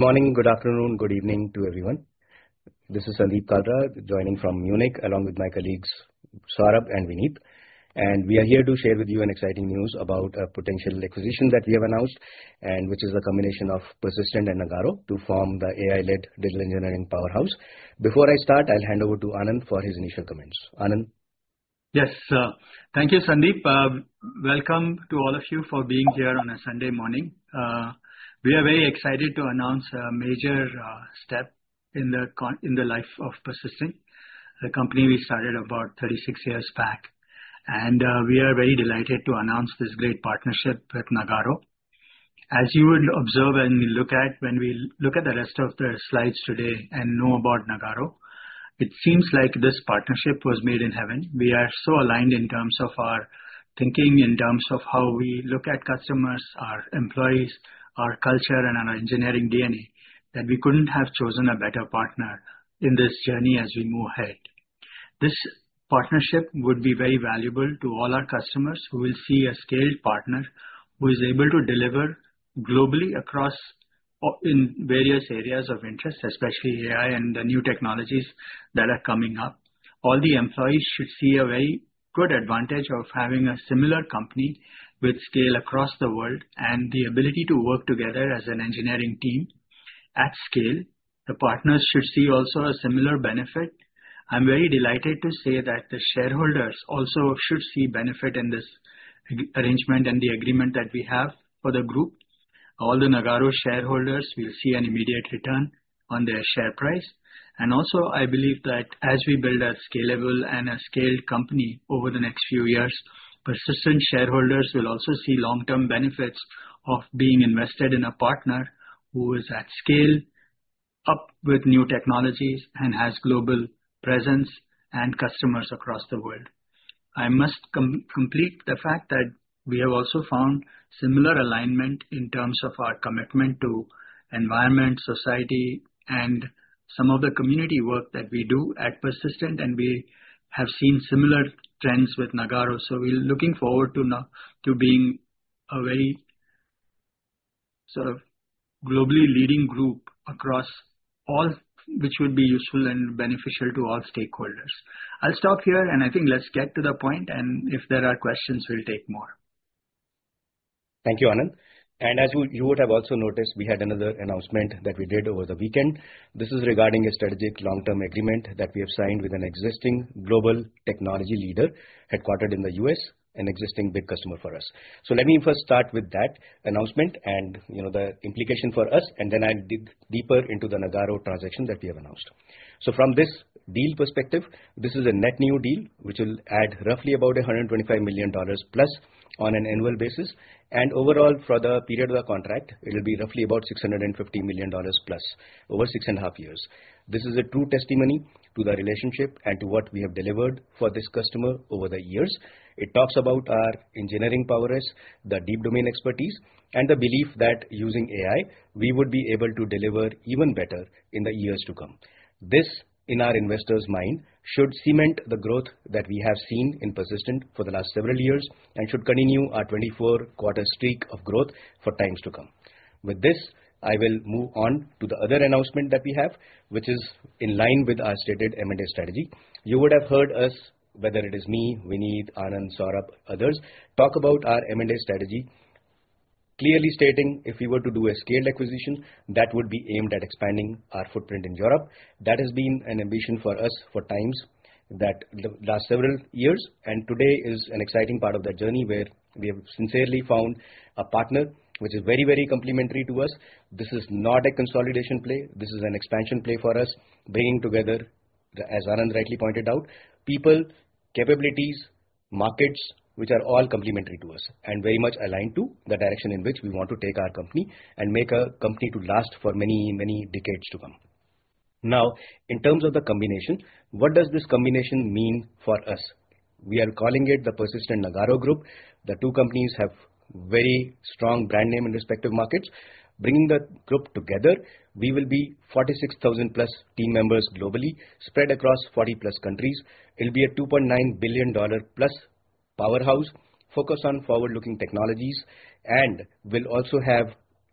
Good morning, good afternoon, good evening to everyone. This is Sandeep Kalra joining from Munich, along with my colleagues, Saurabh and Vinit. We are here to share with you an exciting news about a potential acquisition that we have announced, which is a combination of Persistent and Nagarro to form the AI-led digital engineering powerhouse. Before I start, I'll hand over to Anand for his initial comments. Anand? Yes. Thank you, Sandeep. Welcome to all of you for being here on a Sunday morning. We are very excited to announce a major step in the life of Persistent, a company we started about 36 years back. We are very delighted to announce this great partnership with Nagarro. As you would observe and when we look at the rest of the slides today and know about Nagarro, it seems like this partnership was made in heaven. We are so aligned in terms of our thinking, in terms of how we look at customers, our employees, our culture, and our engineering DNA, that we couldn't have chosen a better partner in this journey as we move ahead. This partnership would be very valuable to all our customers who will see a scaled partner who is able to deliver globally across in various areas of interest, especially AI and the new technologies that are coming up. All the employees should see a very good advantage of having a similar company with scale across the world and the ability to work together as an engineering team at scale. The partners should see also a similar benefit. I'm very delighted to say that the shareholders also should see benefit in this arrangement and the agreement that we have for the group. All the Nagarro shareholders will see an immediate return on their share price. Also, I believe that as we build a scalable and a scaled company over the next few years, Persistent shareholders will also see long-term benefits of being invested in a partner who is at scale, up with new technologies, and has global presence and customers across the world. I must complete the fact that we have also found similar alignment in terms of our commitment to environment, society, and some of the community work that we do at Persistent, and we have seen similar trends with Nagarro. We're looking forward to being a very sort of globally leading group across all, which would be useful and beneficial to all stakeholders. I'll stop here. I think let's get to the point, if there are questions, we'll take more. Thank you, Anand. As you would have also noticed, we had another announcement that we did over the weekend. This is regarding a strategic long-term agreement that we have signed with an existing global technology leader headquartered in the U.S., an existing big customer for us. Let me first start with that announcement and the implication for us, and then I'll dig deeper into the Nagarro transaction that we have announced. From this deal perspective, this is a net new deal, which will add roughly about $125 million+ on an annual basis. Overall, for the period of the contract, it will be roughly about $650 million+ over six and a half years. This is a true testimony to the relationship and to what we have delivered for this customer over the years. It talks about our engineering prowess, the deep domain expertise, and the belief that using AI, we would be able to deliver even better in the years to come. This, in our investors' mind, should cement the growth that we have seen in Persistent for the last several years and should continue our 24-quarter streak of growth for times to come. With this, I will move on to the other announcement that we have, which is in line with our stated M&A strategy. You would have heard us, whether it is me, Vinit, Anand, Saurabh, others, talk about our M&A strategy, clearly stating if we were to do a scaled acquisition, that would be aimed at expanding our footprint in Europe. That has been an ambition for us for times the last several years. Today is an exciting part of the journey where we have sincerely found a partner which is very, very complementary to us. This is not a consolidation play. This is an expansion play for us, bringing together, as Anand rightly pointed out, people, capabilities, markets, which are all complementary to us and very much aligned to the direction in which we want to take our company and make a company to last for many, many decades to come. In terms of the combination, what does this combination mean for us? We are calling it the Persistent Nagarro Group. The two companies have very strong brand name in respective markets. Bringing the group together, we will be 46,000+ team members globally, spread across 40+ countries. It'll be a $2.9 billion+ powerhouse focused on forward-looking technologies and will also have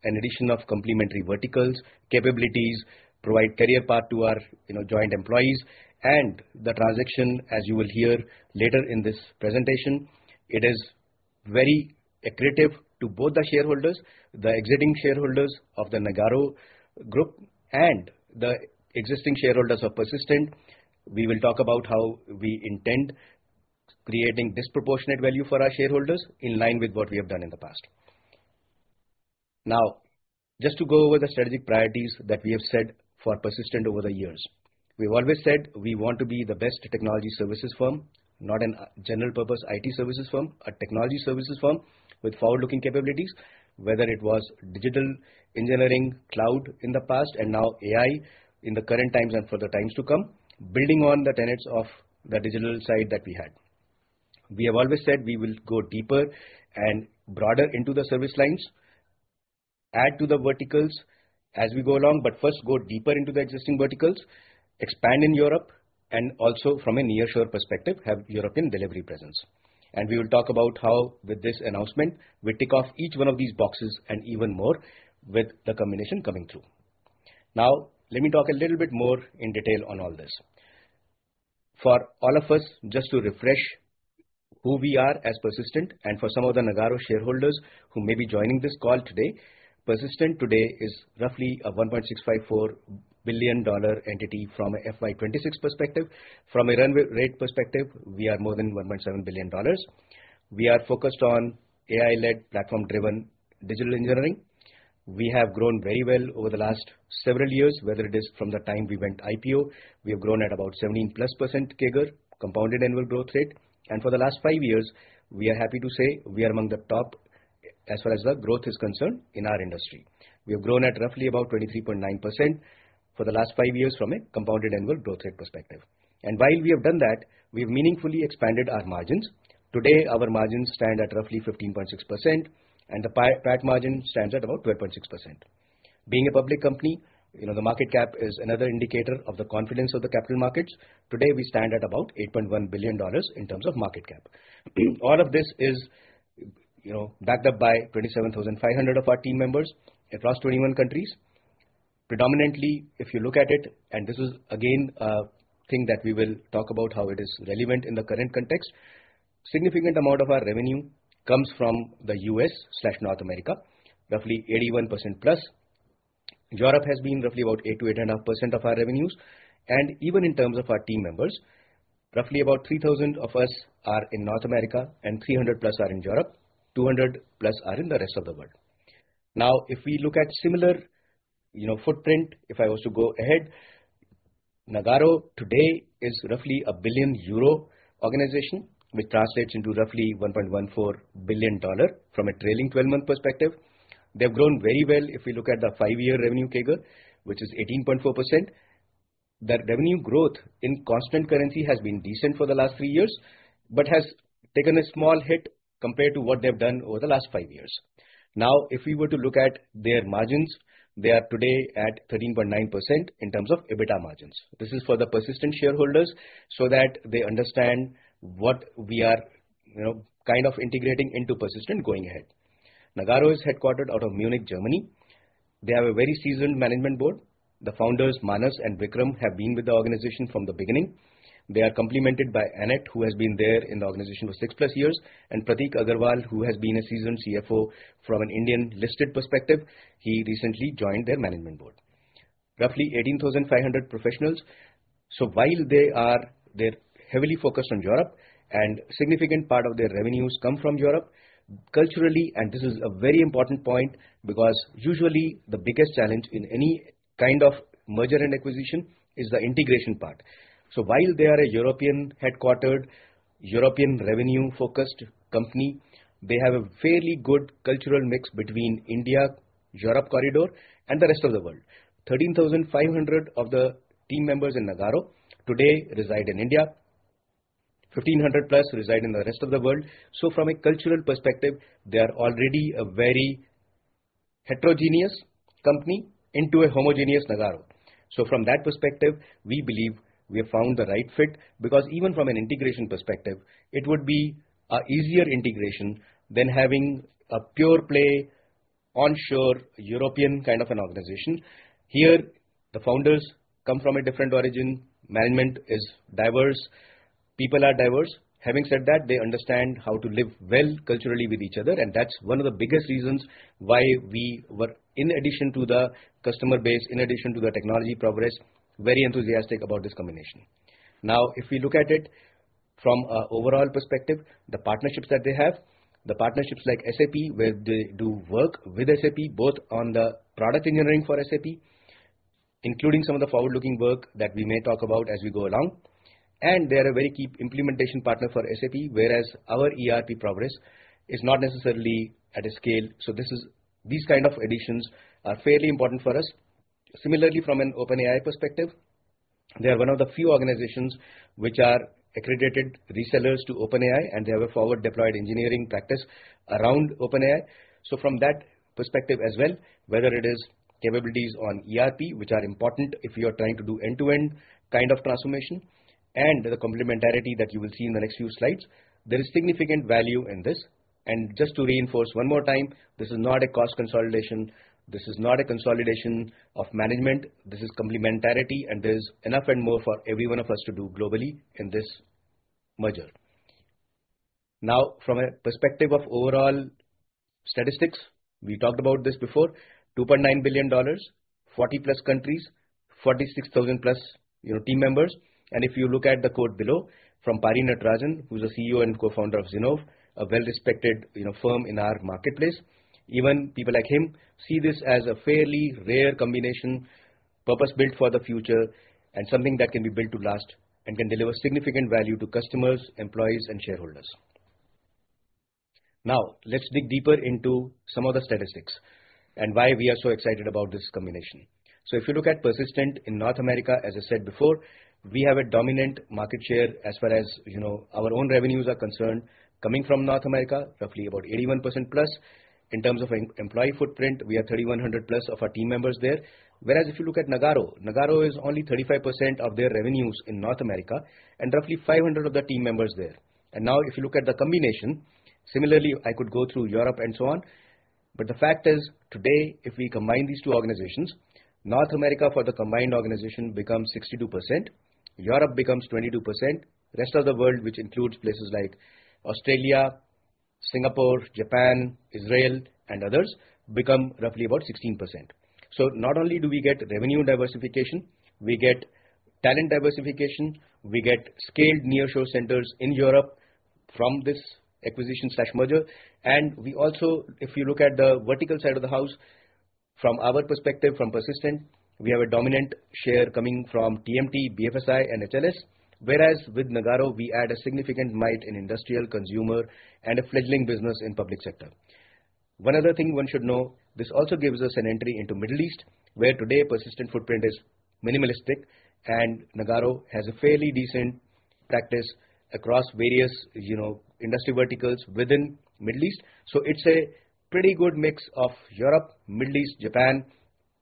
an addition of complementary verticals, capabilities, provide career path to our joint employees. The transaction, as you will hear later in this presentation, it is very accretive to both the shareholders, the existing shareholders of the Nagarro Group and the existing shareholders of Persistent. We will talk about how we intend creating disproportionate value for our shareholders in line with what we have done in the past. Just to go over the strategic priorities that we have set for Persistent over the years. We've always said we want to be the best technology services firm, not a general purpose IT services firm. A technology services firm with forward-looking capabilities, whether it was digital engineering cloud in the past and now AI in the current times and for the times to come, building on the tenets of the digital side that we had. We have always said we will go deeper and broader into the service lines, add to the verticals as we go along, but first go deeper into the existing verticals, expand in Europe, and also from a nearshore perspective, have European delivery presence. We will talk about how with this announcement, we tick off each one of these boxes and even more with the combination coming through. Let me talk a little bit more in detail on all this. For all of us, just to refresh who we are as Persistent, and for some of the Nagarro shareholders who may be joining this call today. Persistent today is roughly a $1.654 billion entity from a FY 2026 perspective. From a run rate perspective, we are more than $1.7 billion. We are focused on AI-led, platform-driven digital engineering. We have grown very well over the last several years. Whether it is from the time we went IPO. We have grown at about 17%+ CAGR, compounded annual growth rate. For the last five years, we are happy to say we are among the top as far as the growth is concerned in our industry. We have grown at roughly about 23.9% for the last five years from a compounded annual growth rate perspective. While we have done that, we have meaningfully expanded our margins. Today, our margins stand at roughly 15.6%, and the PAT margin stands at about 12.6%. Being a public company, the market cap is another indicator of the confidence of the capital markets. Today, we stand at about $8.1 billion in terms of market cap. All of this is backed up by 27,500 of our team members across 21 countries. Predominantly, if you look at it, this is again a thing that we will talk about how it is relevant in the current context. Significant amount of our revenue comes from the U.S./North America, roughly 81%+. Europe has been roughly about 8%-8.5% of our revenues. Even in terms of our team members, roughly about 3,000 of us are in North America, and 300+ are in Europe, 200+ are in the rest of the world. If we look at similar footprint, if I was to go ahead. Nagarro today is roughly a billion euro organization, which translates into roughly $1.14 billion from a trailing 12-month perspective. They've grown very well if we look at the five-year revenue CAGR, which is 18.4%. Their revenue growth in constant currency has been decent for the last three years, but has taken a small hit compared to what they've done over the last five years. If we were to look at their margins, they are today at 13.9% in terms of EBITDA margins. This is for the Persistent shareholders so that they understand what we are integrating into Persistent going ahead. Nagarro is headquartered out of Munich, Germany. They have a very seasoned management board. The founders, Manas and Vikram, have been with the organization from the beginning. They are complemented by Annette, who has been there in the organization for six-plus years, Prateek Aggarwal, who has been a seasoned CFO from an Indian listed perspective. He recently joined their management board. Roughly 18,500 professionals. While they are heavily focused on Europe, a significant part of their revenues come from Europe. Culturally, this is a very important point because usually the biggest challenge in any kind of merger and acquisition is the integration part. While they are a European headquartered, European revenue-focused company, they have a fairly good cultural mix between India, Europe corridor, and the rest of the world. 13,500 of the team members in Nagarro today reside in India. 1,500+ reside in the rest of the world. From a cultural perspective, they are already a very heterogeneous company into a homogeneous Nagarro. From that perspective, we believe we have found the right fit because even from an integration perspective, it would be an easier integration than having a pure play onshore European kind of an organization. Here, the founders come from a different origin. Management is diverse. People are diverse. Having said that, they understand how to live well culturally with each other, and that is one of the biggest reasons why we were, in addition to the customer base, in addition to the technology progress, very enthusiastic about this combination. If we look at it from an overall perspective. The partnerships that they have. The partnerships like SAP, where they do work with SAP, both on the product engineering for SAP, including some of the forward-looking work that we may talk about as we go along. They are a very key implementation partner for SAP, whereas our ERP progress is not necessarily at a scale. These kind of additions are fairly important for us. Similarly, from an OpenAI perspective, they are one of the few organizations which are accredited resellers to OpenAI, and they have a forward deployed engineering practice around OpenAI. From that perspective as well, whether it is capabilities on ERP, which are important if you are trying to do end-to-end kind of transformation, and the complementarity that you will see in the next few slides. There is significant value in this. Just to reinforce one more time, this is not a cost consolidation. This is not a consolidation of management. This is complementarity, and there is enough and more for every one of us to do globally in this merger. From a perspective of overall statistics. We talked about this before, $2.9 billion. 40+ countries. 46,000+ team members. If you look at the quote below from Pari Natarajan, who is the CEO and Co-Founder of Zinnov. A well-respected firm in our marketplace. Even people like him see this as a fairly rare combination, purpose-built for the future, and something that can be built to last and can deliver significant value to customers, employees, and shareholders. Let's dig deeper into some of the statistics and why we are so excited about this combination. If you look at Persistent in North America, as I said before, we have a dominant market share as far as our own revenues are concerned coming from North America, roughly about 81%+. In terms of employee footprint, we have 3,100+ of our team members there. Whereas if you look at Nagarro. Nagarro is only 35% of their revenues in North America and roughly 500 of the team members there. Now if you look at the combination. Similarly, I could go through Europe and so on. The fact is, today if we combine these two organizations, North America for the combined organization becomes 62%, Europe becomes 22%, rest of the world, which includes places like Australia, Singapore, Japan, Israel, and others become roughly about 16%. Not only do we get revenue diversification, we get talent diversification, we get scaled nearshore centers in Europe from this acquisition/merger. We also, if you look at the vertical side of the house, from our perspective, from Persistent, we have a dominant share coming from TMT, BFSI, and HLS. Whereas with Nagarro, we add a significant might in industrial consumer and a fledgling business in public sector. One other thing one should know, this also gives us an entry into Middle East. Where today Persistent footprint is minimalistic and Nagarro has a fairly decent practice across various industry verticals within Middle East. It's a pretty good mix of Europe, Middle East, Japan,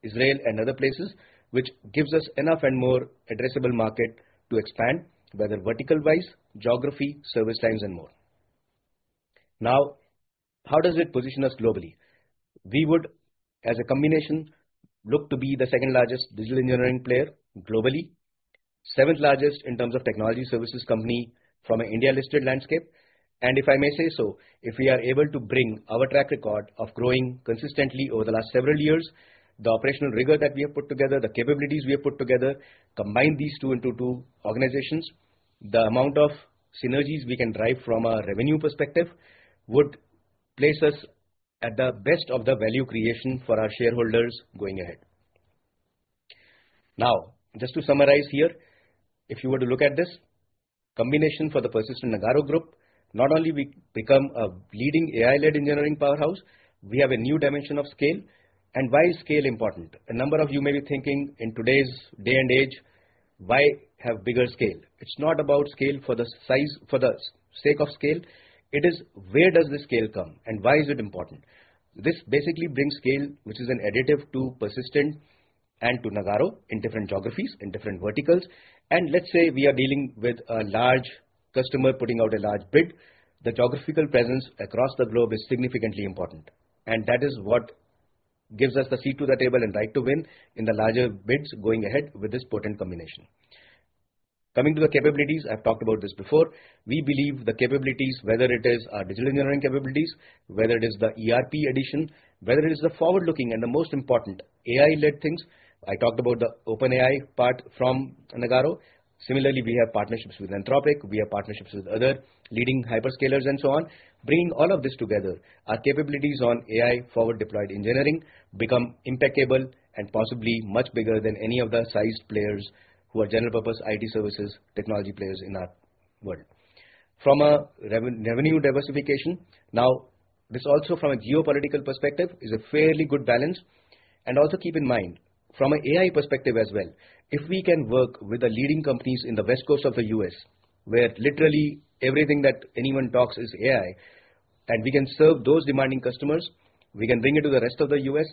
Israel and other places, which gives us enough and more addressable market to expand, whether vertical wise, geography, service lines and more. How does it position us globally? We would, as a combination, look to be the second-largest digital engineering player globally, seventh largest in terms of technology services company from an India-listed landscape. If I may say so, if we are able to bring our track record of growing consistently over the last several years, the operational rigor that we have put together, the capabilities we have put together, combine these two into two organizations. The amount of synergies we can drive from a revenue perspective would place us at the best of the value creation for our shareholders going ahead. Just to summarize here, if you were to look at this combination for the Persistent-Nagarro Group, not only we become a leading AI-led engineering powerhouse, we have a new dimension of scale. Why is scale important? A number of you may be thinking in today's day and age, why have bigger scale? It's not about scale for the sake of scale. It is where does the scale come and why is it important? This basically brings scale, which is an additive to Persistent and to Nagarro in different geographies, in different verticals. Let's say we are dealing with a large customer putting out a large bid. The geographical presence across the globe is significantly important, that is what gives us the seat to the table and right to win in the larger bids going ahead with this potent combination. Coming to the capabilities, I've talked about this before. We believe the capabilities, whether it is our digital engineering capabilities, whether it is the ERP addition, whether it is the forward-looking and the most important AI-led things. I talked about the OpenAI part from Nagarro. Similarly, we have partnerships with Anthropic. We have partnerships with other leading hyperscalers and so on. Bringing all of this together, our capabilities on AI forward deployed engineering become impeccable and possibly much bigger than any of the sized players who are general purpose IT services technology players in our world. From a revenue diversification. This also from a geopolitical perspective is a fairly good balance. Also keep in mind from an AI perspective as well, if we can work with the leading companies in the West Coast of the U.S., where literally everything that anyone talks is AI, and we can serve those demanding customers. We can bring it to the rest of the U.S.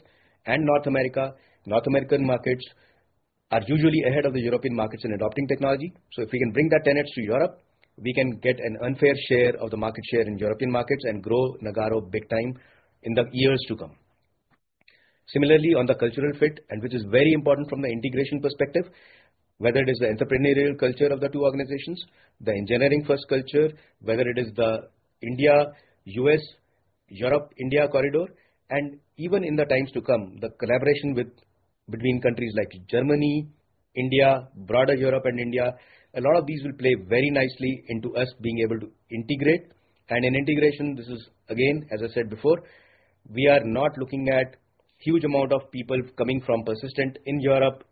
and North America. North American markets are usually ahead of the European markets in adopting technology. If we can bring that tenets to Europe, we can get an unfair share of the market share in European markets and grow Nagarro big time in the years to come. Similarly, on the cultural fit and which is very important from the integration perspective. Whether it is the entrepreneurial culture of the two organizations, the engineering first culture, whether it is the India, U.S., Europe, India corridor, and even in the times to come, that collaboration between countries like Germany, India, broader Europe and India. a lot of these will play very nicely into us being able to integrate. In integration, this is, again, as I said before, we are not looking at huge amount of people coming from Persistent in Europe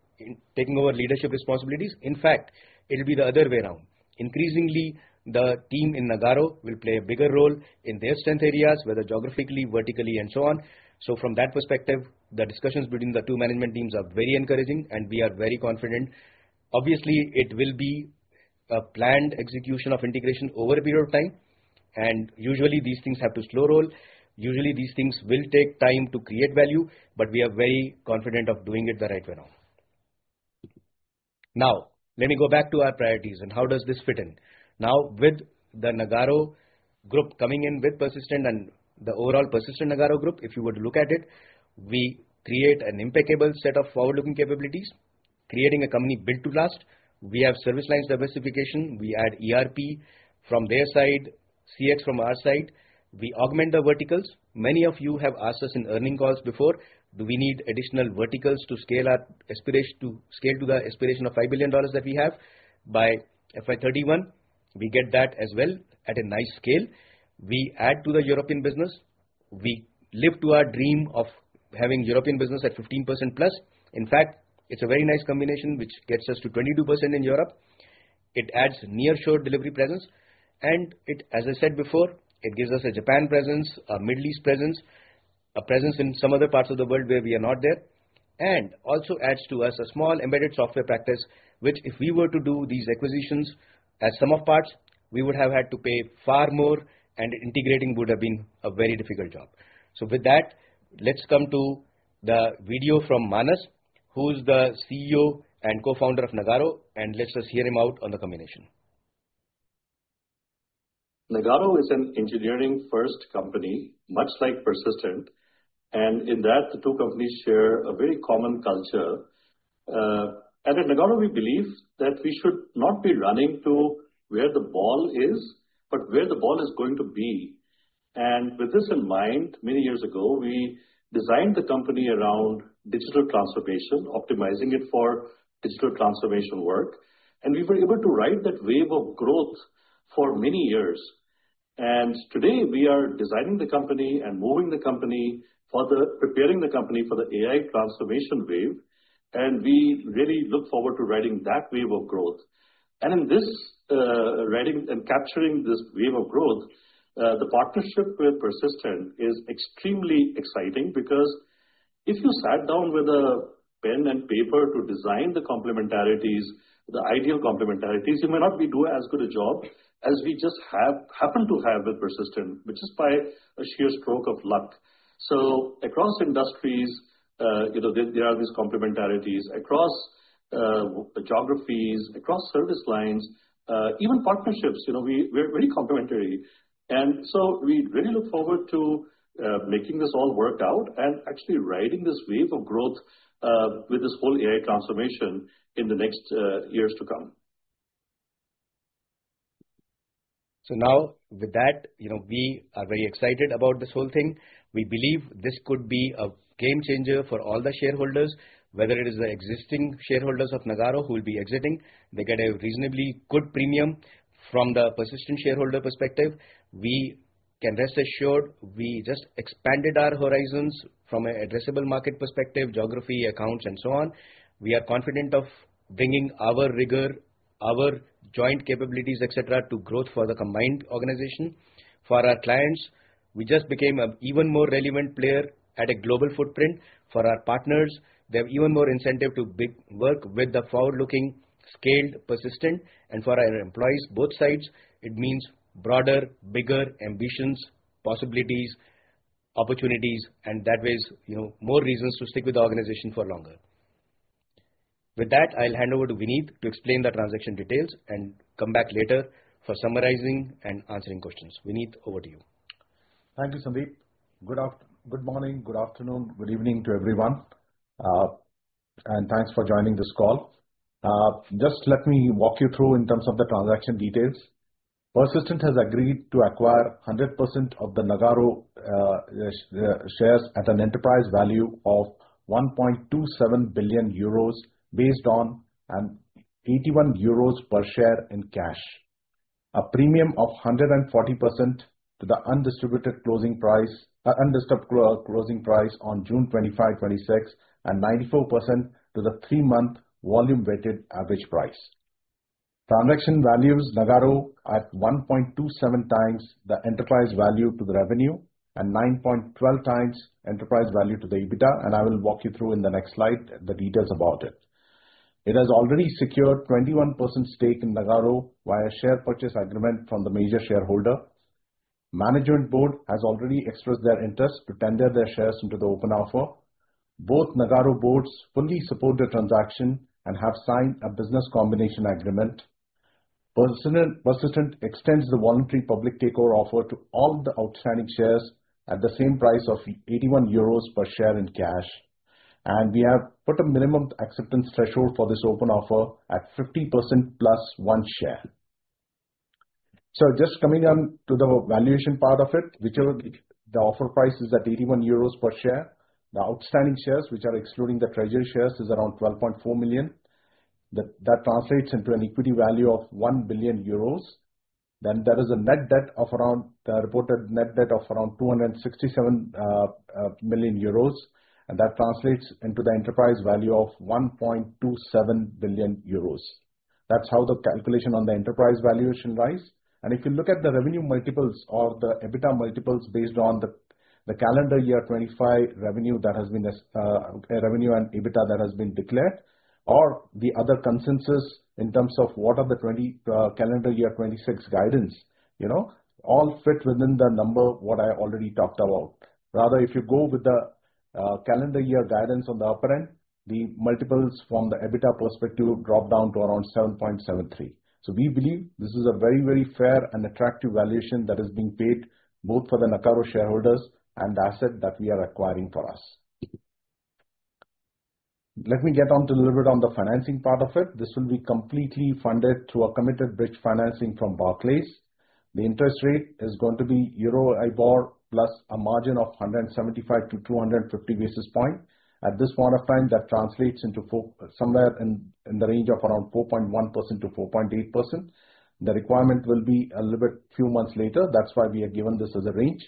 taking over leadership responsibilities. in fact, it will be the other way around. increasingly, the team in Nagarro will play a bigger role in their strength areas, whether geographically, vertical and so on. from that perspective, the discussions between the two management teams are very encouraging and we are very confident. Obviously, it will be a planned execution of integration over a period of time, and usually these things have to slow roll. Usually, these things will take time to create value, but we are very confident of doing it the right way around. Now, let me go back to our priorities and how does this fit in. Now, with the Nagarro Group coming in with Persistent and the overall Persistent-Nagarro Group, if you were to look at it. we create an impeccable set of forward-looking capabilities, creating a company built to last. We have service lines diversification. we add ERP from their side, cx from our side. we augment the verticals. many of you have asked us in earning calls before, do we need additional verticals to scale to the aspiration of $5 billion that we have by FY 2031? we get that as well at a nice scale. We add to the European business. We live to our dream of having European business at 15%+. In fact, it is a very nice combination, which gets us to 22% in Europe. It adds nearshore delivery presence. As I said before, it gives us a Japan presence, a Middle East presence, a presence in some other parts of the world where we are not there. Also adds to us a small embedded software practice, which if we were to do these acquisitions as sum of parts, we would have had to pay far more and integrating would have been a very difficult job. With that, let us come to the video from Manas, who is the CEO and Co-Founder of Nagarro, and let us hear him out on the combination. Nagarro is an engineering-first company, much like Persistent. In that, the two companies share a very common culture. At Nagarro, we believe that we should not be running to where the ball is, but where the ball is going to be. With this in mind, many years ago, we designed the company around digital transformation, optimizing it for digital transformation work. We were able to ride that wave of growth for many years. Today, we are designing the company and moving the company, preparing the company for the AI transformation wave. We really look forward to riding that wave of growth. In this riding and capturing this wave of growth, the partnership with Persistent is extremely exciting because if you sat down with a pen and paper to design the ideal complementarities, you may not be doing as good a job as we just happen to have with Persistent, which is by a sheer stroke of luck. Across industries there are these complementarities. Across geographies, across service lines, even partnerships, we're very complementary. We really look forward to making this all work out and actually riding this wave of growth with this whole AI transformation in the next years to come. Now with that, we are very excited about this whole thing. We believe this could be a game changer for all the shareholders, whether it is the existing shareholders of Nagarro who will be exiting. They get a reasonably good premium. From the Persistent shareholder perspective, we can rest assured we just expanded our horizons from an addressable market perspective, geography, accounts, and so on. We are confident of bringing our rigor, our joint capabilities, et cetera, to growth for the combined organization. For our clients, we just became an even more relevant player at a global footprint. For our partners, they have even more incentive to work with the forward-looking, scaled Persistent. For our employees, both sides, it means broader, bigger ambitions, possibilities, opportunities, and that ways more reasons to stick with the organization for longer. With that, I'll hand over to Vinit to explain the transaction details and come back later for summarizing and answering questions. Vinit, over to you. Thank you, Sandeep. Good morning, good afternoon, good evening to everyone. Thanks for joining this call. Just let me walk you through in terms of the transaction details. Persistent has agreed to acquire 100% of the Nagarro shares at an enterprise value of 1.27 billion euros based on an 81 euros per share in cash. A premium of 140% to the undisturbed closing price on June 25, 2026, and 94% to the three-month volume weighted average price. Transaction values Nagarro at 1.27x the enterprise value to the revenue and 9.12x enterprise value to the EBITDA. I will walk you through in the next slide the details about it. It has already secured 21% stake in Nagarro via share purchase agreement from the major shareholder. Management board has already expressed their interest to tender their shares into the open offer. Both Nagarro boards fully support the transaction and have signed a business combination agreement. Persistent extends the voluntary public takeover offer to all the outstanding shares at the same price of 81 euros per share in cash. We have put a minimum acceptance threshold for this open offer at 50%+ one share. Just coming on to the valuation part of it, the offer price is at 81 euros per share. The outstanding shares, which are excluding the treasury shares, is around 12.4 million. That translates into an equity value of 1 billion euros. There is a reported net debt of around 267 million euros. That translates into the enterprise value of 1.27 billion euros. That's how the calculation on the enterprise valuation lies. If you look at the revenue multiples or the EBITDA multiples based on the calendar year 2025 revenue and EBITDA that has been declared, or the other consensus in terms of what are the calendar year 2026 guidance. All fit within the number what I already talked about. Rather, if you go with the calendar year guidance on the upper end, the multiples from the EBITDA perspective drop down to around 7.73x. We believe this is a very, very fair and attractive valuation that is being paid both for the Nagarro shareholders and the asset that we are acquiring for us. Let me get on to a little bit on the financing part of it. This will be completely funded through a committed bridge financing from Barclays. The interest rate is going to be EURIBOR plus a margin of 175-250 basis points. At this point of time, that translates into somewhere in the range of around 4.1%-4.8%. The requirement will be a little bit few months later. That's why we have given this as a range.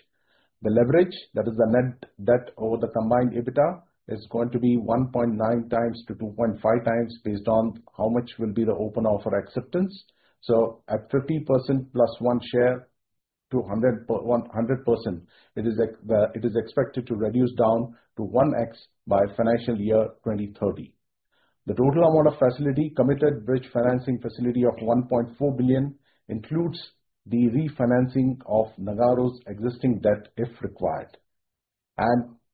The leverage, that is the net debt over the combined EBITDA, is going to be 1.9x to 2.5x based on how much will be the open offer acceptance. At 50%+ one share to 100%, it is expected to reduce down to 1x by financial year 2030. The total amount of facility committed bridge financing facility of 1.4 billion includes the refinancing of Nagarro's existing debt if required.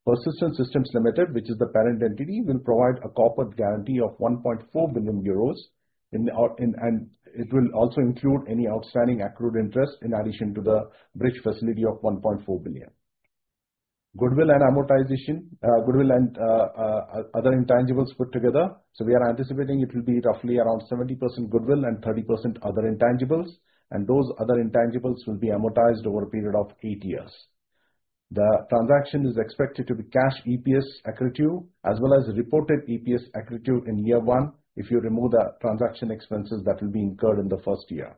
Persistent Systems Limited, which is the parent entity, will provide a corporate guarantee of 1.4 billion euros, and it will also include any outstanding accrued interest in addition to the bridge facility of 1.4 billion. Goodwill and amortization, goodwill and other intangibles put together. We are anticipating it will be roughly around 70% goodwill and 30% other intangibles, and those other intangibles will be amortized over a period of eight years. The transaction is expected to be cash EPS accretive as well as reported EPS accretive in year one, if you remove the transaction expenses that will be incurred in the first year.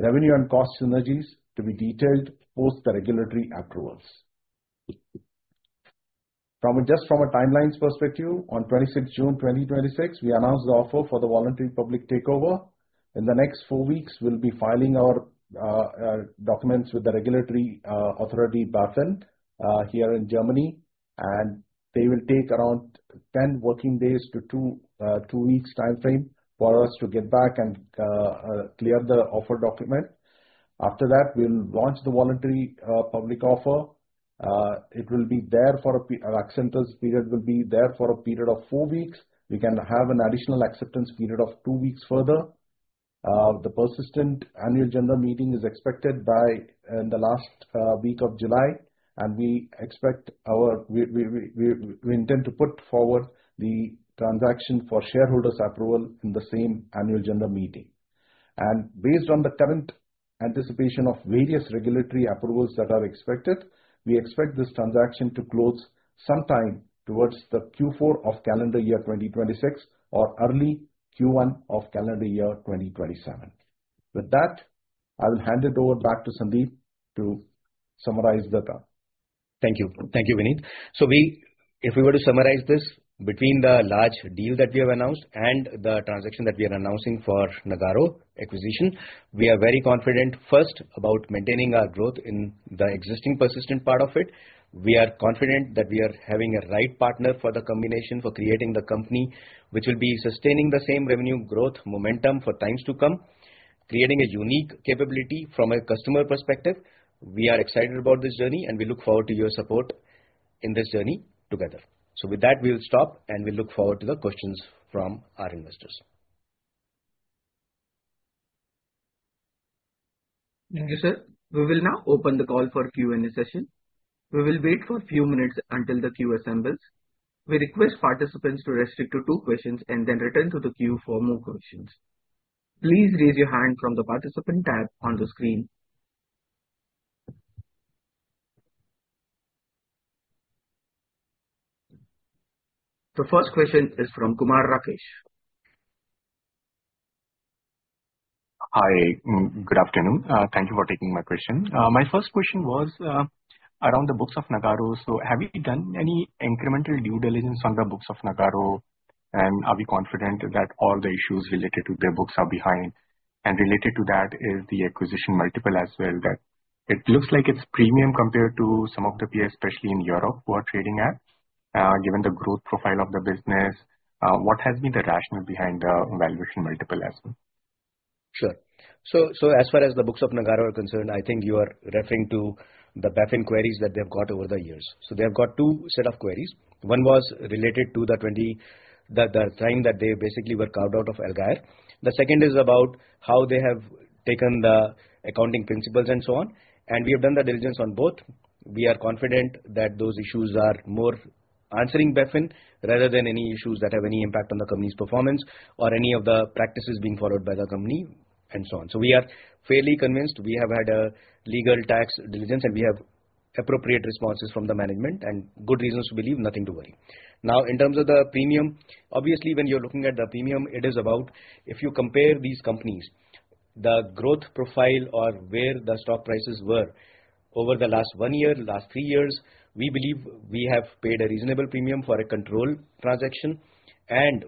Revenue and cost synergies to be detailed post the regulatory approvals. From a timelines perspective, on 26 June 2026, we announced the offer for the voluntary public takeover. In the next four weeks, we'll be filing our documents with the regulatory authority, BaFin, here in Germany, and they will take around 10 working days to two weeks timeframe for us to get back and clear the offer document. After that, we'll launch the voluntary public offer. Our acceptance period will be there for a period of four weeks. We can have an additional acceptance period of two weeks further. The Persistent annual general meeting is expected by the last week of July, we intend to put forward the transaction for shareholders' approval in the same annual general meeting. Based on the current anticipation of various regulatory approvals that are expected, we expect this transaction to close sometime towards the Q4 of calendar year 2026 or early Q1 of calendar year 2027. I will hand it over back to Sandeep to summarize the talk. Thank you. Thank you, Vinit. If we were to summarize this, between the large deal that we have announced and the transaction that we are announcing for Nagarro acquisition, we are very confident, first about maintaining our growth in the existing Persistent part of it. We are confident that we are having a right partner for the combination for creating the company, which will be sustaining the same revenue growth momentum for times to come, creating a unique capability from a customer perspective. We are excited about this journey and we look forward to your support in this journey together. We'll stop and we look forward to the questions from our investors. Thank you, sir. We will now open the call for Q&A session. We will wait for few minutes until the queue assembles. We request participants to restrict to two questions and then return to the queue for more questions. Please raise your hand from the participant tab on the screen. The first question is from Kumar Rakesh. Hi. Good afternoon. Thank you for taking my question. My first question was around the books of Nagarro. Have you done any incremental due diligence on the books of Nagarro, and are we confident that all the issues related to their books are behind? Related to that is the acquisition multiple as well, that it looks like it's premium compared to some of the peers, especially in Europe, who are trading at. Given the growth profile of the business, what has been the rationale behind the valuation multiple as well? Sure. As far as the books of Nagarro are concerned, I think you are referring to the BaFin queries that they've got over the years. They have got two set of queries. One was related to the time that they basically were carved out of Allgeier. The second is about how they have taken the accounting principles and so on. We have done the diligence on both. We are confident that those issues are more answering BaFin rather than any issues that have any impact on the company's performance or any of the practices being followed by the company, and so on. We are fairly convinced. We have had a legal tax diligence, and we have appropriate responses from the management and good reasons to believe nothing to worry. Now, in terms of the premium, obviously, when you're looking at the premium, it is about if you compare these companies, the growth profile or where the stock prices were over the last one year, last three years, we believe we have paid a reasonable premium for a control transaction.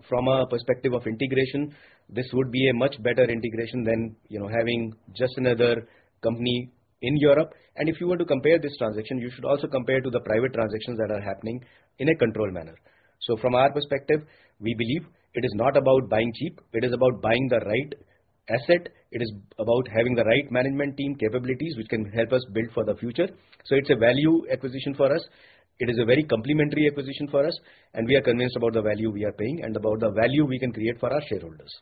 From a perspective of integration, this would be a much better integration than having just another company in Europe. If you were to compare this transaction, you should also compare to the private transactions that are happening in a controlled manner. From our perspective, we believe it is not about buying cheap. It is about buying the right asset. It is about having the right management team capabilities, which can help us build for the future. It's a value acquisition for us. It is a very complementary acquisition for us, we are convinced about the value we are paying and about the value we can create for our shareholders.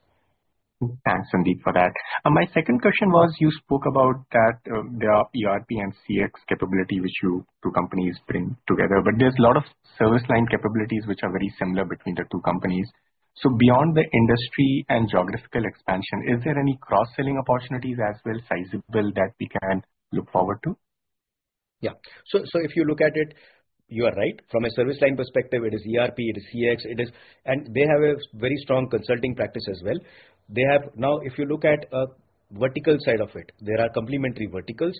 Thanks, Sandeep, for that. My second question was, you spoke about that the ERP and CX capability which you two companies bring together, but there's a lot of service line capabilities which are very similar between the two companies. Beyond the industry and geographical expansion, is there any cross-selling opportunities as well, sizable, that we can look forward to? Yeah. If you look at it, you are right. From a service line perspective, it is ERP, it is CX. They have a very strong consulting practice as well. If you look at a vertical side of it, there are complementary verticals.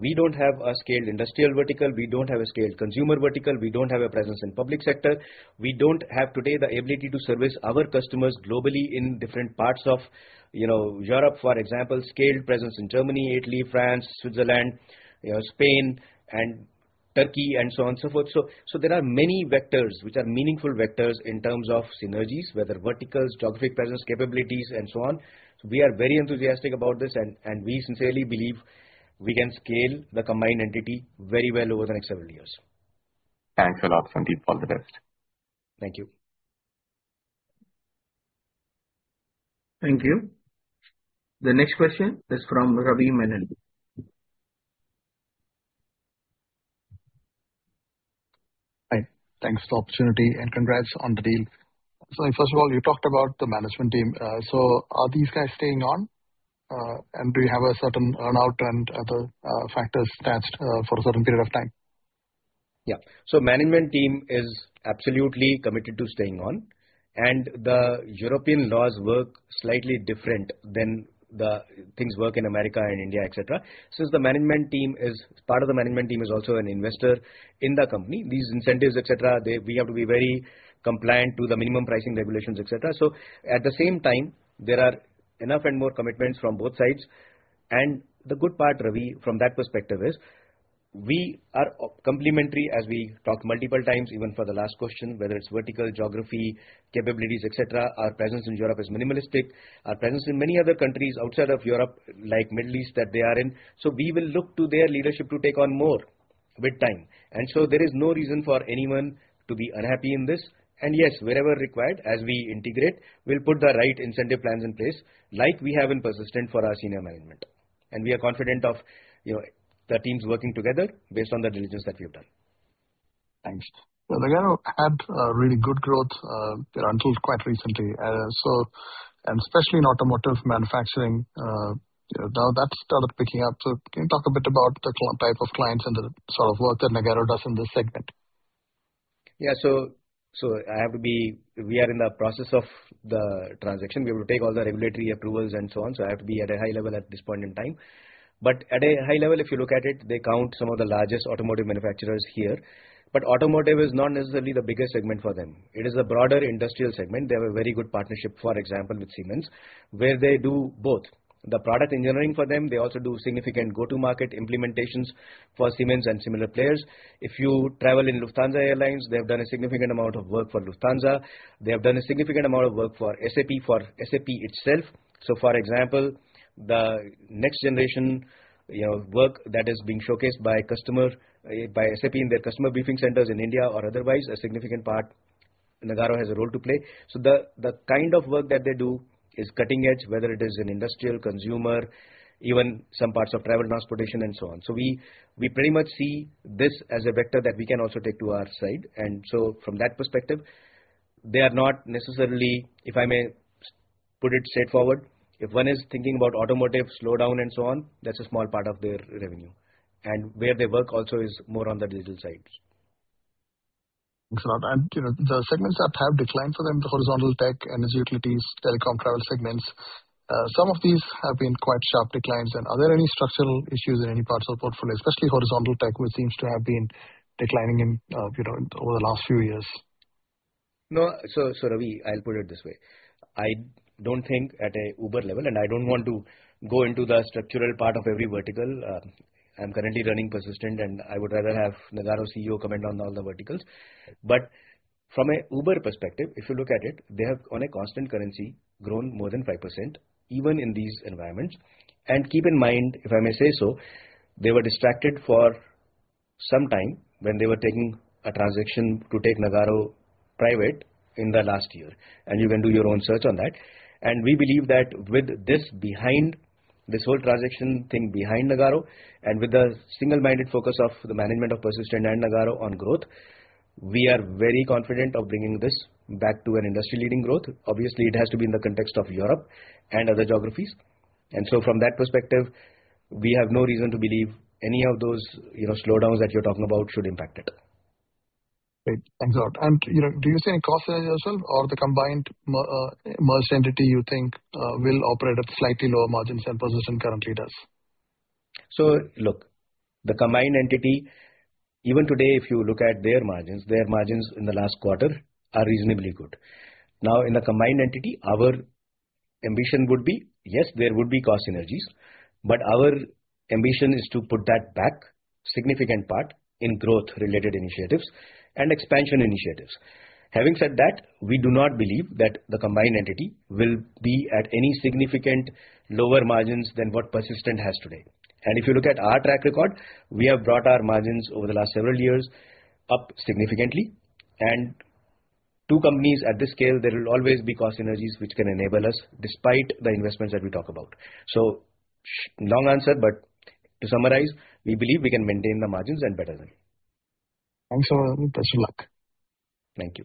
We don't have a scaled industrial vertical. We don't have a scaled consumer vertical. We don't have a presence in public sector. We don't have today the ability to service our customers globally in different parts of Europe, for example, scaled presence in Germany, Italy, France, Switzerland, Spain, and Turkey, and so on and so forth. There are many vectors, which are meaningful vectors in terms of synergies, whether verticals, geographic presence, capabilities, and so on. We are very enthusiastic about this, and we sincerely believe we can scale the combined entity very well over the next several years. Thanks a lot, Sandeep. All the best. Thank you. Thank you. The next question is from Ravi Menon. Hi. Thanks for the opportunity, and congrats on the deal. First of all, you talked about the management team. Are these guys staying on? Do you have a certain earn-out and other factors attached for a certain period of time? Management team is absolutely committed to staying on. The European laws work slightly different than the things work in America and India, et cetera. Since part of the management team is also an investor in the company. These incentives, et cetera, we have to be very compliant to the minimum pricing regulations, et cetera. At the same time, there are enough and more commitments from both sides. The good part, Ravi, from that perspective is we are complementary as we talk multiple times, even for the last question, whether it's vertical geography, capabilities, et cetera. Our presence in Europe is minimalistic. Our presence in many other countries outside of Europe, like Middle East, that they are in. We will look to their leadership to take on more with time. There is no reason for anyone to be unhappy in this. Yes, wherever required, as we integrate, we'll put the right incentive plans in place like we have in Persistent for our senior management. We are confident of the teams working together based on the diligence that we've done. Thanks. Well, Nagarro had a really good growth, until quite recently. Especially in automotive manufacturing. Now that's still picking up. Can you talk a bit about the type of clients and the sort of work that Nagarro does in this segment? Yeah. We are in the process of the transaction. We have to take all the regulatory approvals and so on. I have to be at a high level at this point in time. At a high level, if you look at it, they count some of the largest automotive manufacturers here. Automotive is not necessarily the biggest segment for them. It is a broader industrial segment. They have a very good partnership, for example, with Siemens, where they do both the product engineering for them. They also do significant go-to-market implementations for Siemens and similar players. If you travel in Lufthansa Airlines, they have done a significant amount of work for Lufthansa. They have done a significant amount of work for SAP, for SAP itself. For example, the next generation work that is being showcased by SAP in their customer briefing centers in India or otherwise, a significant part Nagarro has a role to play. The kind of work that they do is cutting-edge, whether it is in industrial, consumer, even some parts of travel, transportation and so on. We pretty much see this as a vector that we can also take to our side. From that perspective, they are not necessarily, if I may put it straightforward, if one is thinking about automotive slowdown and so on, that's a small part of their revenue. Where they work also is more on the digital side. Thanks a lot. The segments that have declined for them, the horizontal tech, energy, utilities, telecom, travel segments. Some of these have been quite sharp declines. Are there any structural issues in any parts of the portfolio, especially horizontal tech, which seems to have been declining over the last few years? No. Ravi, I'll put it this way. I don't think at a uber level, I don't want to go into the structural part of every vertical. I'm currently running Persistent, I would rather have Nagarro CEO comment on all the verticals. From a uber perspective, if you look at it, they have, on a constant currency, grown more than 5%, even in these environments. Keep in mind, if I may say so, they were distracted for some time when they were taking a transaction to take Nagarro private in the last year. You can do your own search on that. We believe that with this whole transaction thing behind Nagarro, with the single-minded focus of the management of Persistent and Nagarro on growth, we are very confident of bringing this back to an industry-leading growth. Obviously, it has to be in the context of Europe and other geographies. From that perspective, we have no reason to believe any of those slowdowns that you're talking about should impact it. Great. Thanks a lot. Do you see any cost savings yourself or the combined merged entity you think will operate at slightly lower margins than Persistent currently does? Look, the combined entity, even today if you look at their margins, their margins in the last quarter are reasonably good. In the combined entity, our ambition would be, yes, there would be cost synergies, our ambition is to put that back significant part in growth-related initiatives and expansion initiatives. Having said that, we do not believe that the combined entity will be at any significant lower margins than what Persistent has today. If you look at our track record, we have brought our margins over the last several years up significantly. Two companies at this scale, there will always be cost synergies which can enable us despite the investments that we talk about. Long answer, to summarize, we believe we can maintain the margins and better them. Thanks a lot. Best of luck. Thank you.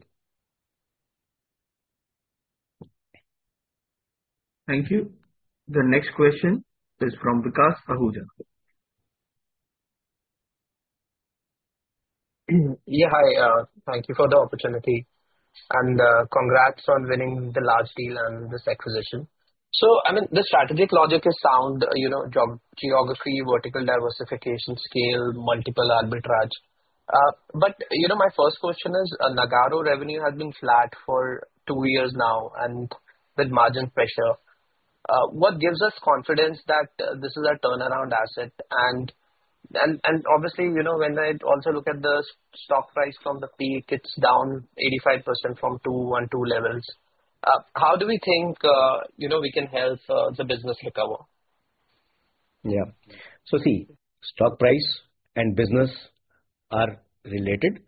Thank you. The next question is from Vikas Ahuja. Yeah, hi. Thank you for the opportunity and congrats on winning the large deal and this acquisition. The strategic logic is sound. Geography, vertical diversification, scale, multiple arbitrage. My first question is, Nagarro revenue has been flat for two years now and with margin pressure. What gives us confidence that this is a turnaround asset? Obviously, when I also look at the stock price from the peak, it's down 85% from 212 levels. How do we think we can help the business recover? See, stock price and business are related,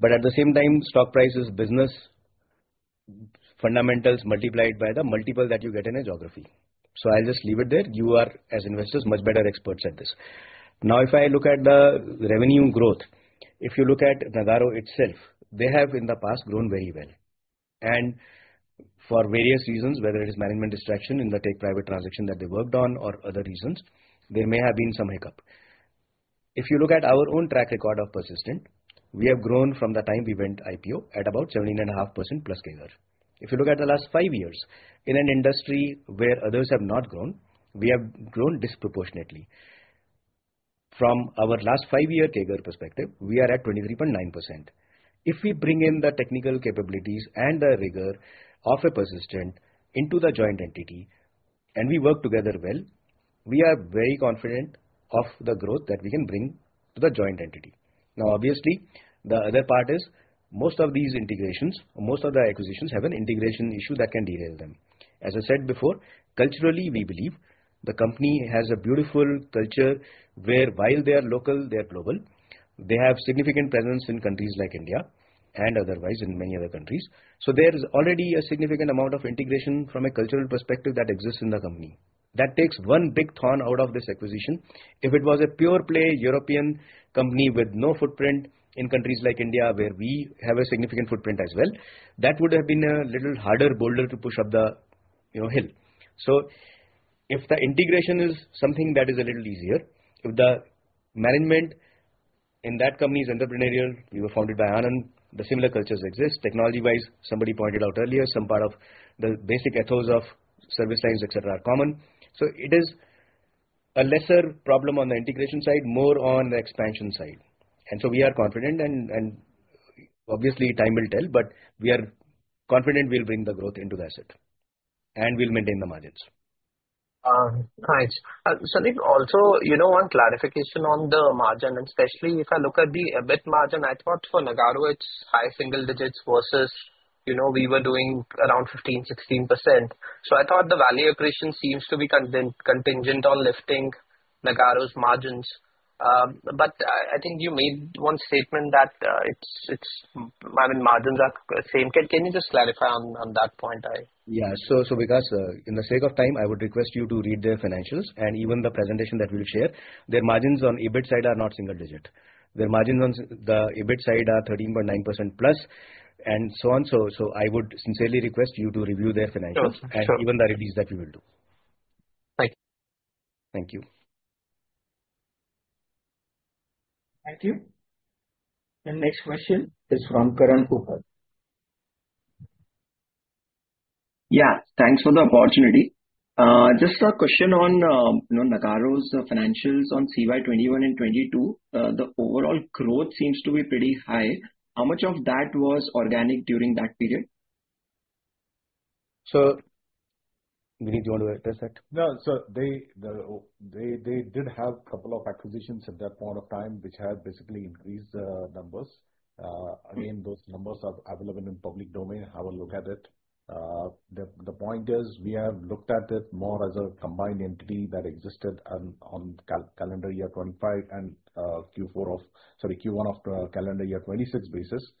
but at the same time, stock price is business fundamentals multiplied by the multiple that you get in a geography. I'll just leave it there. You are, as investors, much better experts at this. If I look at the revenue growth, if you look at Nagarro itself, they have in the past grown very well. For various reasons, whether it is management distraction in the take private transaction that they worked on or other reasons, there may have been some hiccup. If you look at our own track record of Persistent, we have grown from the time we went IPO at about 17.5%+ CAGR. If you look at the last five years, in an industry where others have not grown, we have grown disproportionately. From our last five-year CAGR perspective, we are at 23.9%. If we bring in the technical capabilities and the rigor of a Persistent into the joint entity, and we work together well, we are very confident of the growth that we can bring to the joint entity. Obviously, the other part is most of these integrations or most of the acquisitions have an integration issue that can derail them. As I said before, culturally, we believe the company has a beautiful culture where while they are local, they are global. They have significant presence in countries like India and otherwise in many other countries. There is already a significant amount of integration from a cultural perspective that exists in the company. That takes one big thorn out of this acquisition. If it was a pure play European company with no footprint in countries like India, where we have a significant footprint as well, that would have been a little harder boulder to push up the hill. If the integration is something that is a little easier, if the management in that company is entrepreneurial, we were founded by Anand, the similar cultures exist. Technology-wise, somebody pointed out earlier, some part of the basic ethos of service lines, et cetera, are common. It is a lesser problem on the integration side, more on the expansion side. We are confident and obviously time will tell, but we are confident we'll bring the growth into the asset, and we'll maintain the margins. Thanks. Sandeep, also, one clarification on the margin, especially if I look at the EBIT margin, I thought for Nagarro it's high single digits versus we were doing around 15%-16%. I thought the value accretion seems to be contingent on lifting Nagarro's margins. I think you made one statement that its margins are same. Can you just clarify on that point? Yeah. Vikas, in the sake of time, I would request you to read their financials and even the presentation that we'll share. Their margins on EBIT side are not single digit. Their margins on the EBIT side are 13.9%+ and so on. I would sincerely request you to review their financials. Sure Even the release that we will do. Thank you. Thank you. Thank you. The next question is from Karan Uppal. Yeah. Thanks for the opportunity. Just a question on Nagarro's financials on CY 2021 and 2022. The overall growth seems to be pretty high. How much of that was organic during that period? Vinit, do you want to address that? No. They did have couple of acquisitions at that point of time, which have basically increased the numbers. Again, those numbers are available in public domain. Have a look at it. The point is we have looked at it more as a combined entity that existed on calendar year 2025 and Q1 of calendar year 2026 basis.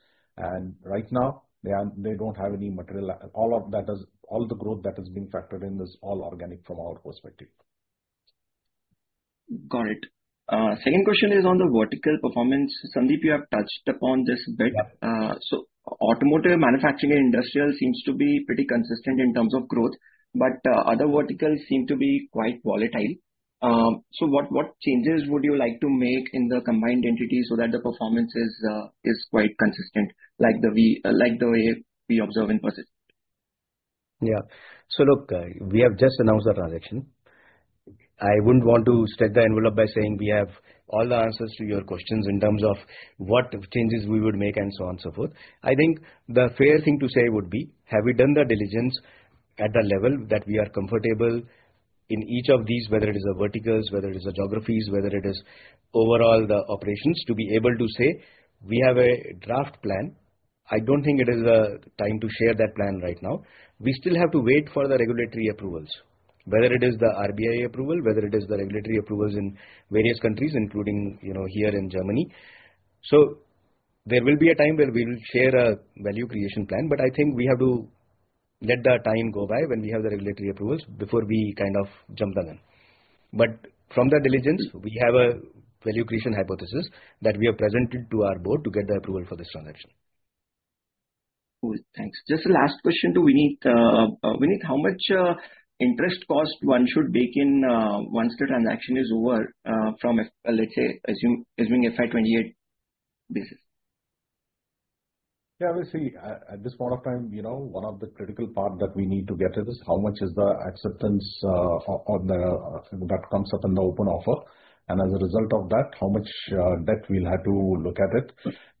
Right now they don't have any material. All the growth that is being factored in is all organic from our perspective. Got it. Second question is on the vertical performance. Sandeep, you have touched upon this a bit. Automotive manufacturing and industrial seems to be pretty consistent in terms of growth, but other verticals seem to be quite volatile. What changes would you like to make in the combined entity so that the performance is quite consistent like the way we observe in Persistent? Look, we have just announced the transaction. I wouldn't want to stretch the envelope by saying we have all the answers to your questions in terms of what changes we would make and so on and so forth. I think the fair thing to say would be, have we done the diligence at the level that we are comfortable in each of these, whether it is the verticals, whether it is the geographies, whether it is overall the operations to be able to say we have a draft plan. I don't think it is the time to share that plan right now. We still have to wait for the regulatory approvals, whether it is the RBI approval, whether it is the regulatory approvals in various countries, including here in Germany. There will be a time where we will share a value creation plan. I think we have to let that time go by when we have the regulatory approvals before we kind of jump the gun. From the diligence, we have a value creation hypothesis that we have presented to our board to get the approval for this transaction. Cool. Thanks. Just the last question to Vinit. Vinit, how much interest cost one should bake in once the transaction is over from, let's say, assuming FY 2028 basis? We see at this point of time, one of the critical part that we need to get is how much is the acceptance on the open offer. As a result of that, how much debt we will have to look at it.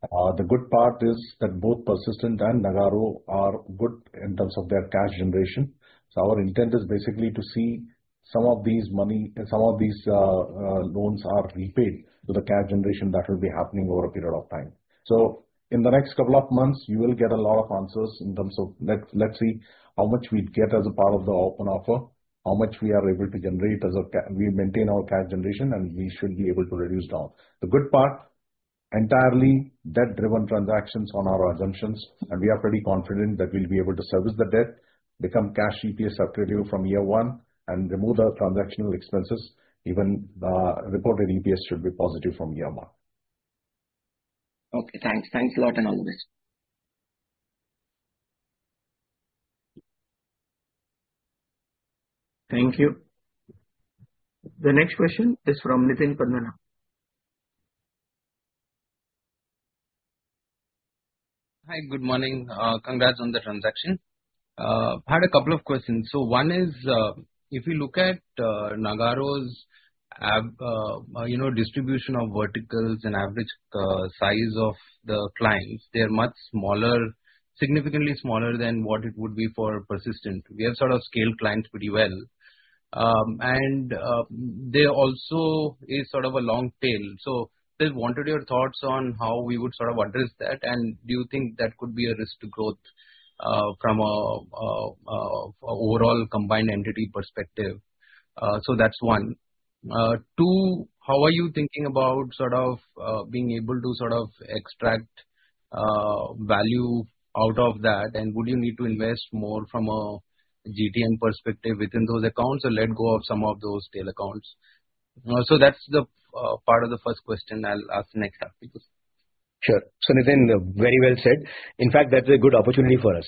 The good part is that both Persistent and Nagarro are good in terms of their cash generation. Our intent is basically to see some of these loans are repaid with the cash generation that will be happening over a period of time. In the next couple of months, you will get a lot of answers in terms of let's see how much we get as a part of the open offer, how much we are able to generate as we maintain our cash generation, and we should be able to reduce down. Entirely debt-driven transactions on our assumptions. We are pretty confident that we will be able to service the debt, become cash EPS accretive from year one, and remove the transactional expenses. Even the reported EPS should be positive from year one. Thanks. Thanks a lot, Vinit. Thank you. The next question is from Nitin Padmanabhan. Hi. Good morning. Congrats on the transaction. Had a couple of questions. One is, if you look at Nagarro's distribution of verticals and average size of the clients, they're much smaller, significantly smaller than what it would be for Persistent. We have sort of scaled clients pretty well. There also is sort of a long tail. Just wanted your thoughts on how we would sort of address that, and do you think that could be a risk to growth from an overall combined entity perspective? That's one. Two, how are you thinking about sort of being able to extract value out of that? Would you need to invest more from a GTM perspective within those accounts or let go of some of those tail accounts? That's the part of the first question. I'll ask the next half because- Sure. Nithin very well said. In fact, that's a good opportunity for us.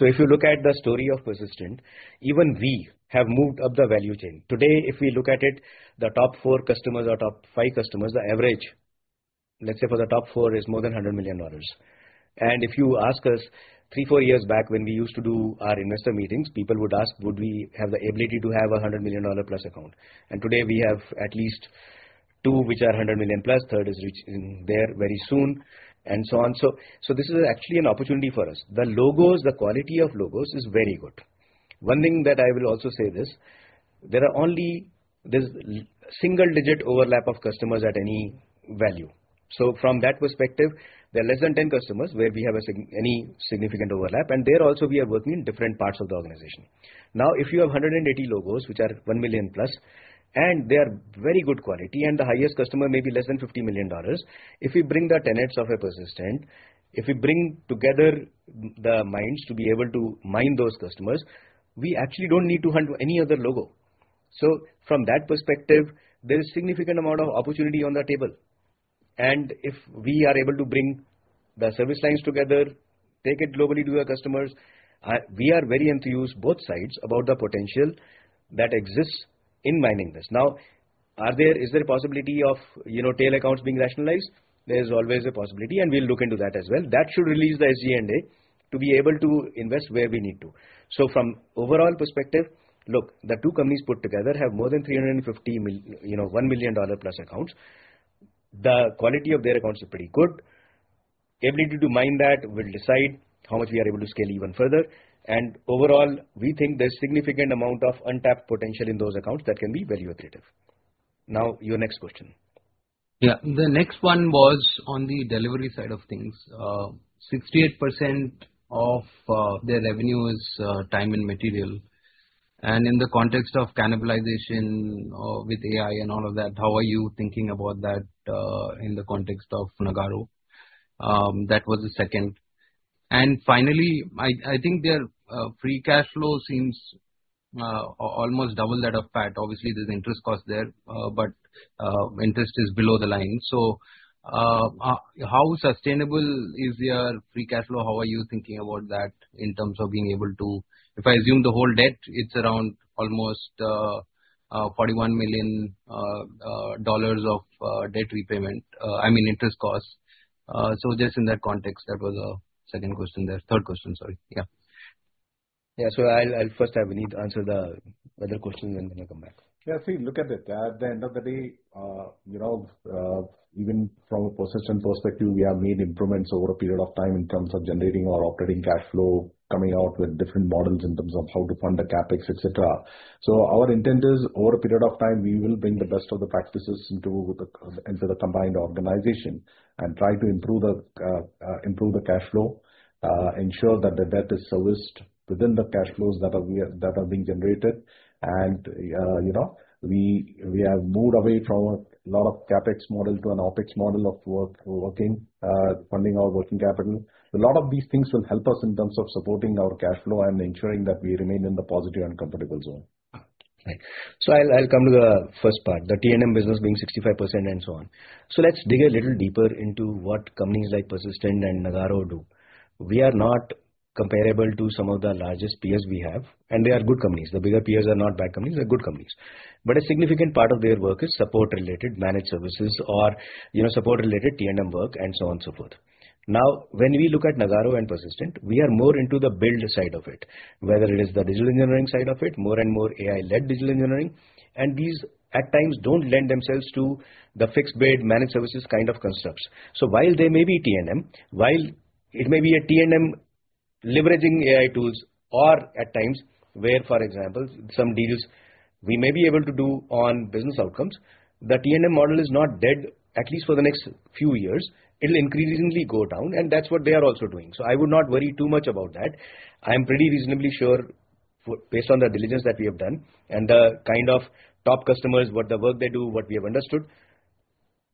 If you look at the story of Persistent, even we have moved up the value chain. Today, if we look at it, the top four customers or top five customers, the average, let's say, for the top four is more than $100 million. If you ask us three, four years back when we used to do our investor meetings, people would ask, would we have the ability to have $100 million+ account. Today we have at least two which are $100 million+ third is reaching there very soon, and so on. This is actually an opportunity for us. The logos, the quality of logos is very good. One thing that I will also say this, there's single-digit overlap of customers at any value. From that perspective, there are less than 10 customers where we have any significant overlap. There also we are working in different parts of the organization. Now, if you have 180 logos, which are $1 million+, and they are very good quality, and the highest customer may be less than $50 million. If we bring the tenets of a Persistent, if we bring together the minds to be able to mine those customers, we actually don't need to hunt any other logo. From that perspective, there is significant amount of opportunity on the table. If we are able to bring the service lines together, take it globally to our customers. We are very enthused, both sides, about the potential that exists in mining this. Now, is there a possibility of tail accounts being rationalized? There's always a possibility, and we'll look into that as well. That should release the SG&A to be able to invest where we need to. From overall perspective, look, the two companies put together have more than 350 $1 million+ accounts. The quality of their accounts are pretty good. Ability to mine that will decide how much we are able to scale even further. Overall, we think there's significant amount of untapped potential in those accounts that can be value accretive. Now, your next question. Yeah. The next one was on the delivery side of things. 68% of their revenue is time and material. In the context of cannibalization with AI and all of that, how are you thinking about that in the context of Nagarro? That was the second. Finally, I think their free cash flow seems almost double that of PAT. Obviously, there's interest cost there. But interest is below the line. How sustainable is your free cash flow? How are you thinking about that in terms of being able to? If I assume the whole debt, it's around almost $41 million of debt repayment. I mean, interest cost. Just in that context, that was the third question. Yeah. Yeah. I'll first have Vinit answer the other question, then I'll come back. Yeah. See, look at it. At the end of the day, even from a Persistent perspective, we have made improvements over a period of time in terms of generating our operating cash flow, coming out with different models in terms of how to fund the CapEx, et cetera. Our intent is, over a period of time, we will bring the best of the practices into the combined organization and try to improve the cash flow, ensure that the debt is serviced within the cash flows that are being generated. We have moved away from a lot of CapEx model to an OpEx model of working, funding our working capital. A lot of these things will help us in terms of supporting our cash flow and ensuring that we remain in the positive and comfortable zone. Right. I'll come to the first part, the T&M business being 65% and so on. Let's dig a little deeper into what companies like Persistent and Nagarro do. We are not comparable to some of the largest peers we have, and they are good companies. The bigger peers are not bad companies. They're good companies. A significant part of their work is support-related managed services or support-related T&M work, and so on and so forth. Now, when we look at Nagarro and Persistent, we are more into the build side of it, whether it is the digital engineering side of it, more and more AI-led digital engineering. These at times don't lend themselves to the fixed bid managed services kind of constructs. While they may be T&M, while it may be a T&M leveraging AI tools, or at times where, for example, some deals we may be able to do on business outcomes. The T&M model is not dead, at least for the next few years. It'll increasingly go down, and that's what they are also doing. I would not worry too much about that. I am pretty reasonably sure Based on the diligence that we have done and the kind of top customers, what the work they do, what we have understood,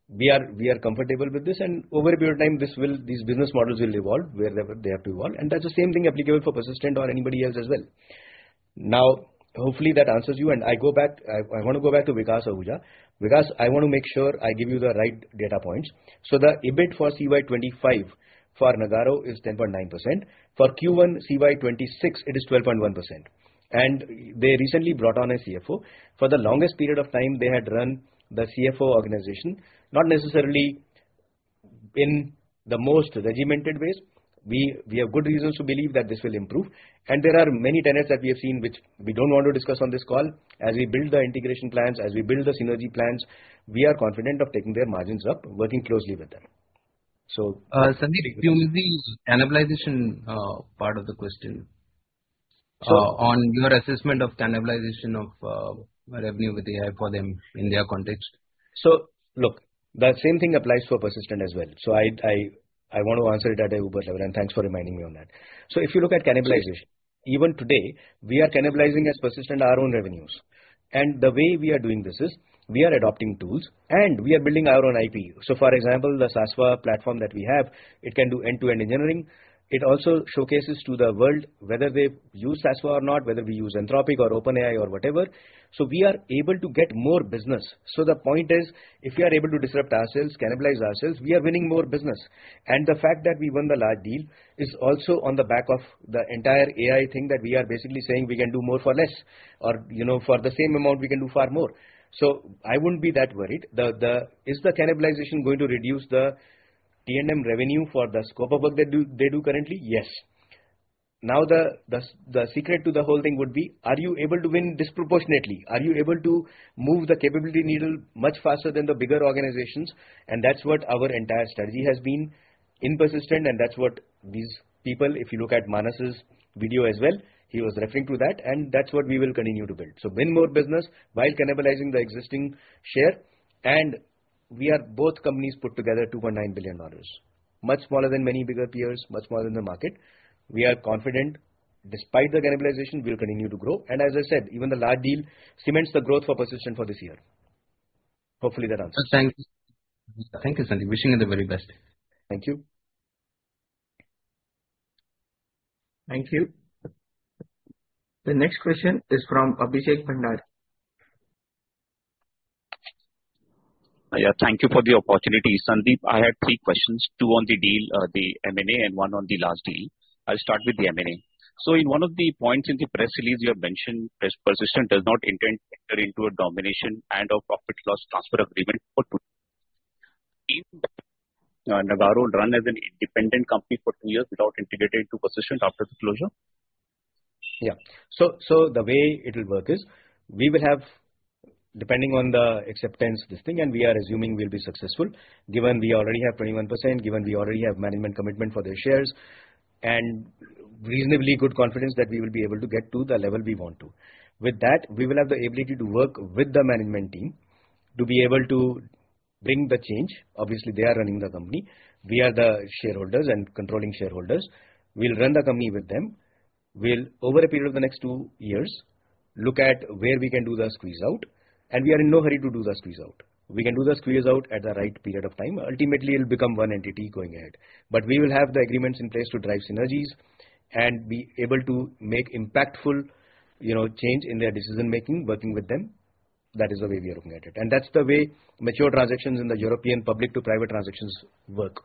we are comfortable with this. Over a period of time, these business models will evolve wherever they have to evolve. That's the same thing applicable for Persistent or anybody else as well. Hopefully that answers you. I want to go back to Vikas Ahuja. Vikas, I want to make sure I give you the right data points. The EBIT for CY 2025 for Nagarro is 10.9%. For Q1 CY 2026, it is 12.1%. They recently brought on a CFO. For the longest period of time, they had run the CFO organization, not necessarily in the most regimented ways. We have good reasons to believe that this will improve. There are many tenets that we have seen, which we don't want to discuss on this call. As we build the integration plans, as we build the synergy plans, we are confident of taking their margins up, working closely with them. Sandeep, can you use the cannibalization part of the question? Sure. On your assessment of cannibalization of revenue with AI for them in their context. Look, the same thing applies for Persistent as well. I want to answer it at a group level, and thanks for reminding me on that. If you look at cannibalization, even today, we are cannibalizing as Persistent our own revenues. The way we are doing this is we are adopting tools and we are building our own IP. For example, the SASVA platform that we have, it can do end-to-end engineering. It also showcases to the world whether they use SASVA or not, whether we use Anthropic or OpenAI or whatever. We are able to get more business. The point is, if we are able to disrupt ourselves, cannibalize ourselves, we are winning more business. The fact that we won the large deal is also on the back of the entire AI thing that we are basically saying we can do more for less, or for the same amount, we can do far more. I wouldn't be that worried. Is the cannibalization going to reduce the T&M revenue for the scope of work they do currently? Yes. Now, the secret to the whole thing would be, are you able to win disproportionately? Are you able to move the capability needle much faster than the bigger organizations? That's what our entire strategy has been in Persistent, and that's what these people, if you look at Manas's video as well, he was referring to that, and that's what we will continue to build. Win more business while cannibalizing the existing share. We are both companies put together $2.9 billion. Much smaller than many bigger peers, much smaller than the market. We are confident despite the cannibalization, we'll continue to grow. As I said, even the large deal cements the growth for Persistent for this year. Hopefully that answers. Thanks. Thank you, Sandeep. Wishing you the very best. Thank you. Thank you. The next question is from Abhishek Bhandari. Yeah. Thank you for the opportunity. Sandeep, I had three questions, two on the deal, the M&A, and one on the large deal. I'll start with the M&A. In one of the points in the press release, you have mentioned Persistent does not intend to enter into a domination and a profit loss transfer agreement for two years. Will Nagarro run as an independent company for two years without integrating to Persistent after the closure? Yeah. The way it will work is we will have, depending on the acceptance, this thing, and we are assuming we'll be successful, given we already have 21%, given we already have management commitment for their shares, and reasonably good confidence that we will be able to get to the level we want to. With that, we will have the ability to work with the management team to be able to bring the change. Obviously, they are running the company. We are the shareholders and controlling shareholders. We'll run the company with them. We'll, over a period of the next two years, look at where we can do the squeeze out, and we are in no hurry to do the squeeze out. We can do the squeeze out at the right period of time. Ultimately, it'll become one entity going ahead. We will have the agreements in place to drive synergies and be able to make impactful change in their decision-making, working with them. That is the way we are looking at it. That's the way mature transactions in the European public-to-private transactions work.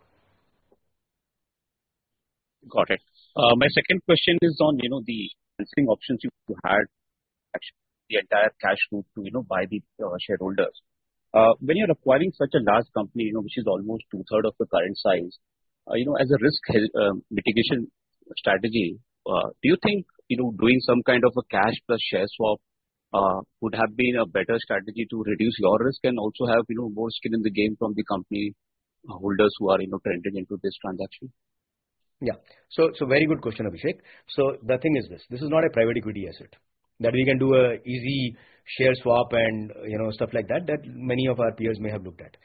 Got it. My second question is on the financing options you had the entire cash route to buy the shareholders. When you are acquiring such a large company, which is almost two-thirds of the current size, as a risk mitigation strategy, do you think doing some kind of a cash-plus-share swap would have been a better strategy to reduce your risk and also have more skin in the game from the company holders who are entering into this transaction? Very good question, Abhishek. The thing is this. This is not a private equity asset that we can do an easy share swap and stuff like that many of our peers may have looked at.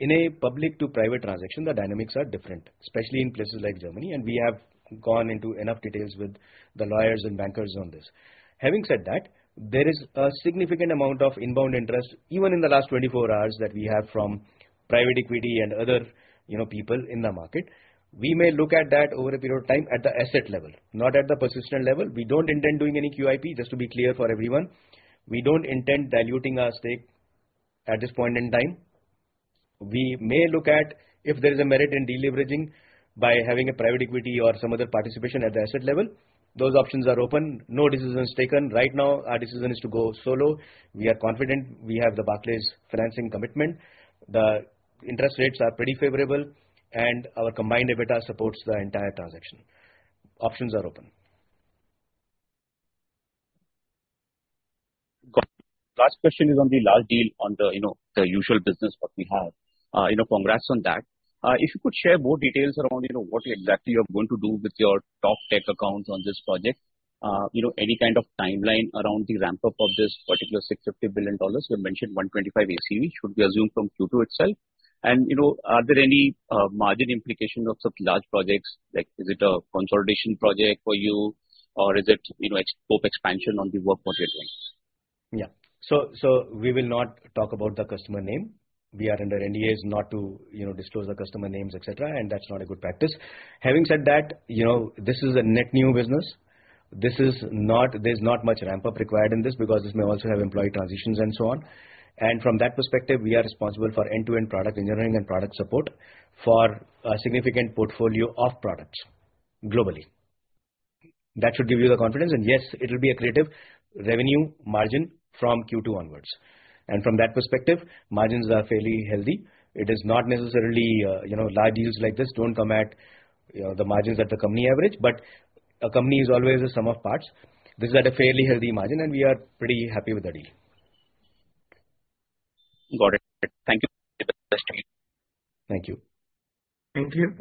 In a public-to-private transaction, the dynamics are different, especially in places like Germany, and we have gone into enough details with the lawyers and bankers on this. Having said that, there is a significant amount of inbound interest, even in the last 24 hours, that we have from private equity and other people in the market. We may look at that over a period of time at the asset level, not at the Persistent level. We don't intend doing any QIP, just to be clear for everyone. We don't intend diluting our stake at this point in time. We may look at if there is a merit in deleveraging by having a private equity or some other participation at the asset level. Those options are open. No decisions taken. Right now, our decision is to go solo. We are confident. We have the Barclays financing commitment. The interest rates are pretty favorable, and our combined EBITDA supports the entire transaction. Options are open. Got it. Last question is on the large deal on the usual business what we have. Congrats on that. If you could share more details around what exactly you're going to do with your top tech accounts on this project. Any kind of timeline around the ramp-up of this particular $650 billion? You mentioned 125 ACV. Should we assume from Q2 itself? Are there any margin implications of such large projects? Like is it a consolidation project for you or is it scope expansion on the work what you're doing? Yeah. We will not talk about the customer name. We are under NDAs not to disclose the customer names, et cetera, and that's not a good practice. Having said that, this is a net new business. There's not much ramp-up required in this because this may also have employee transitions and so on. From that perspective, we are responsible for end-to-end product engineering and product support for a significant portfolio of products globally. That should give you the confidence. Yes, it will be accretive revenue margin from Q2 onwards. From that perspective, margins are fairly healthy. It is not necessarily large deals like this don't come at the margins at the company average, but a company is always a sum of parts. This is at a fairly healthy margin, and we are pretty happy with the deal. Got it. Thank you. Thank you. Thank you.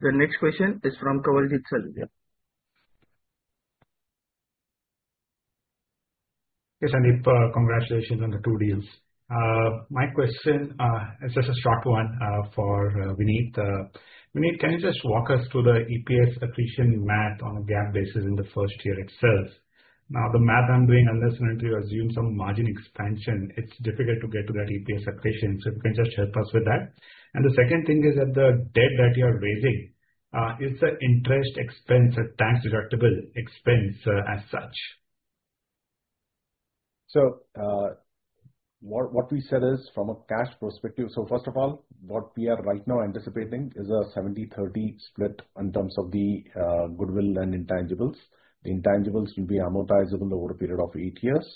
The next question is from Kawaljeet Saluja. Yes, Sandeep, congratulations on the two deals. My question is just a short one for Vinit. Vinit, can you just walk us through the EPS accretion math on a GAAP basis in the first year itself? The math I am doing, unless and until you assume some margin expansion, it is difficult to get to that EPS accretion. If you can just help us with that. The second thing is that the debt that you are raising, is the interest expense a tax-deductible expense as such? What we said is from a cash perspective, first of all, what we are right now anticipating is a 70/30 split in terms of the goodwill and intangibles. The intangibles will be amortizable over a period of eight years.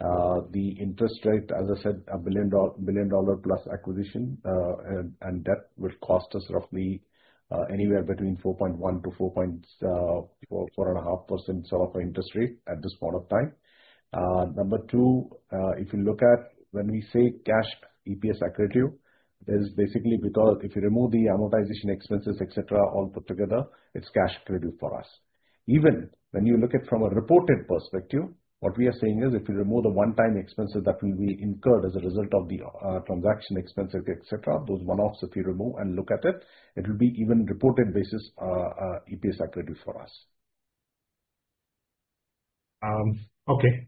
The interest rate, as I said, a billion-dollar-plus acquisition and debt will cost us roughly anywhere between 4.1%-4.5% sort of an interest rate at this point of time. Number two, if you look at when we say cash EPS accretive, that is basically because if you remove the amortization expenses, et cetera, all put together, it is cash accretive for us. Even when you look at it from a reported perspective, what we are saying is, if you remove the one-time expenses that will be incurred as a result of the transaction expenses, et cetera, those one-offs if you remove and look at it will be even reported basis EPS accretive for us. Okay.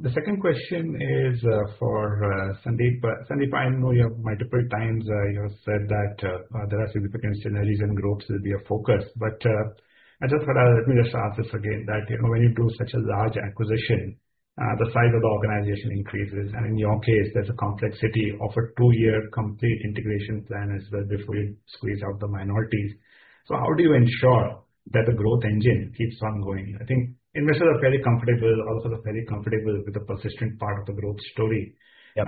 The second question is for Sandeep. Sandeep, I know multiple times you have said that there are significant synergies and growth will be your focus. Just for now, let me just ask this again, that when you do such a large acquisition, the size of the organization increases, and in your case, there is a complexity of a two-year complete integration plan as well before you squeeze out the minorities. How do you ensure that the growth engine keeps on going? I think investors are fairly comfortable, all stakeholders are fairly comfortable with the Persistent systems part of the growth story. Yeah.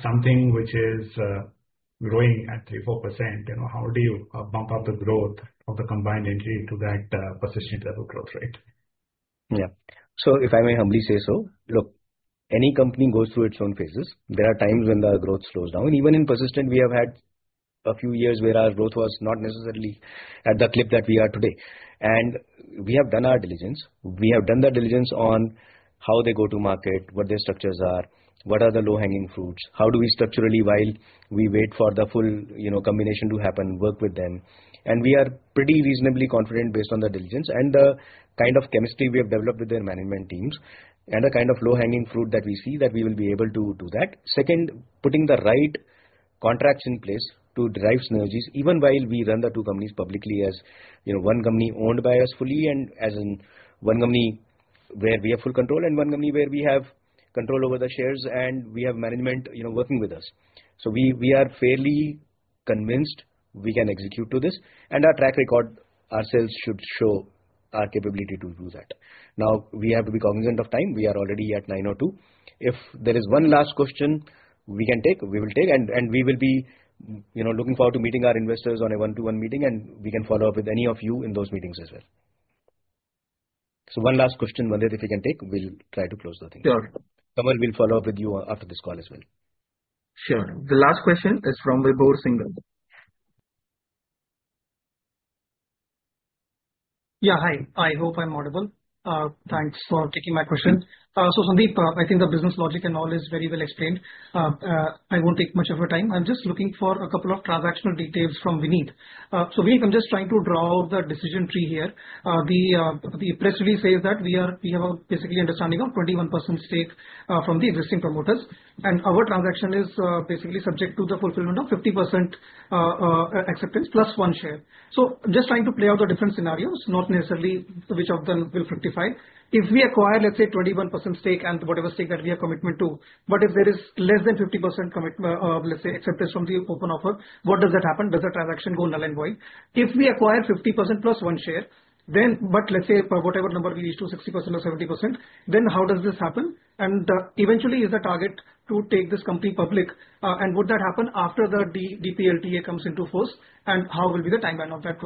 Something which is growing at 3%, 4%, how do you bump up the growth of the combined entity to that Persistent systems level growth rate? Yeah. If I may humbly say so, look, any company goes through its own phases. There are times when the growth slows down, and even in Persistent systems, we have had a few years where our growth was not necessarily at the clip that we are today. We have done our diligence. We have done the diligence on how they go to market, what their structures are, what are the low-hanging fruits, how do we structurally while we wait for the full combination to happen, work with them. We are pretty reasonably confident based on the diligence and the kind of chemistry we have developed with their management teams, and the kind of low-hanging fruit that we see that we will be able to do that. Second, putting the right contracts in place to derive synergies, even while we run the two companies publicly as one company owned by us fully, and as in one company where we have full control and one company where we have control over the shares and we have management working with us. We are fairly convinced we can execute to this, our track record ourselves should show our capability to do that. We have to be cognizant of time. We are already at 9:02 A.M. If there is one last question we can take, we will take, and we will be looking forward to meeting our investors on a one-to-one meeting, and we can follow up with any of you in those meetings as well. One last question, Mandar, if we can take, we will try to close the thing. Sure. Kawal, we will follow up with you after this call as well. Sure. The last question is from Vibhor Singhal. Hi. I hope I am audible. Thanks for taking my question. Sandeep, I think the business logic and all is very well explained. I will not take much of your time. I am just looking for a couple of transactional details from Vinit. Vinit, I am just trying to draw out the decision tree here. The press release says that we have a basically understanding of 21% stake from the existing promoters, and our transaction is basically subject to the fulfillment of 50% acceptance plus one share. I am just trying to play out the different scenarios, not necessarily which of them will fructify. If we acquire, let us say, 21% stake and whatever stake that we have commitment to, but if there is less than 50% let us say acceptance from the open offer, what does that happen? Does the transaction go null and void? If we acquire 50% plus one share, let us say for whatever number we reach to 60% or 70%, how does this happen? Eventually is the target to take this company public, and would that happen after the DPLTA comes into force, and how will be the timeline of that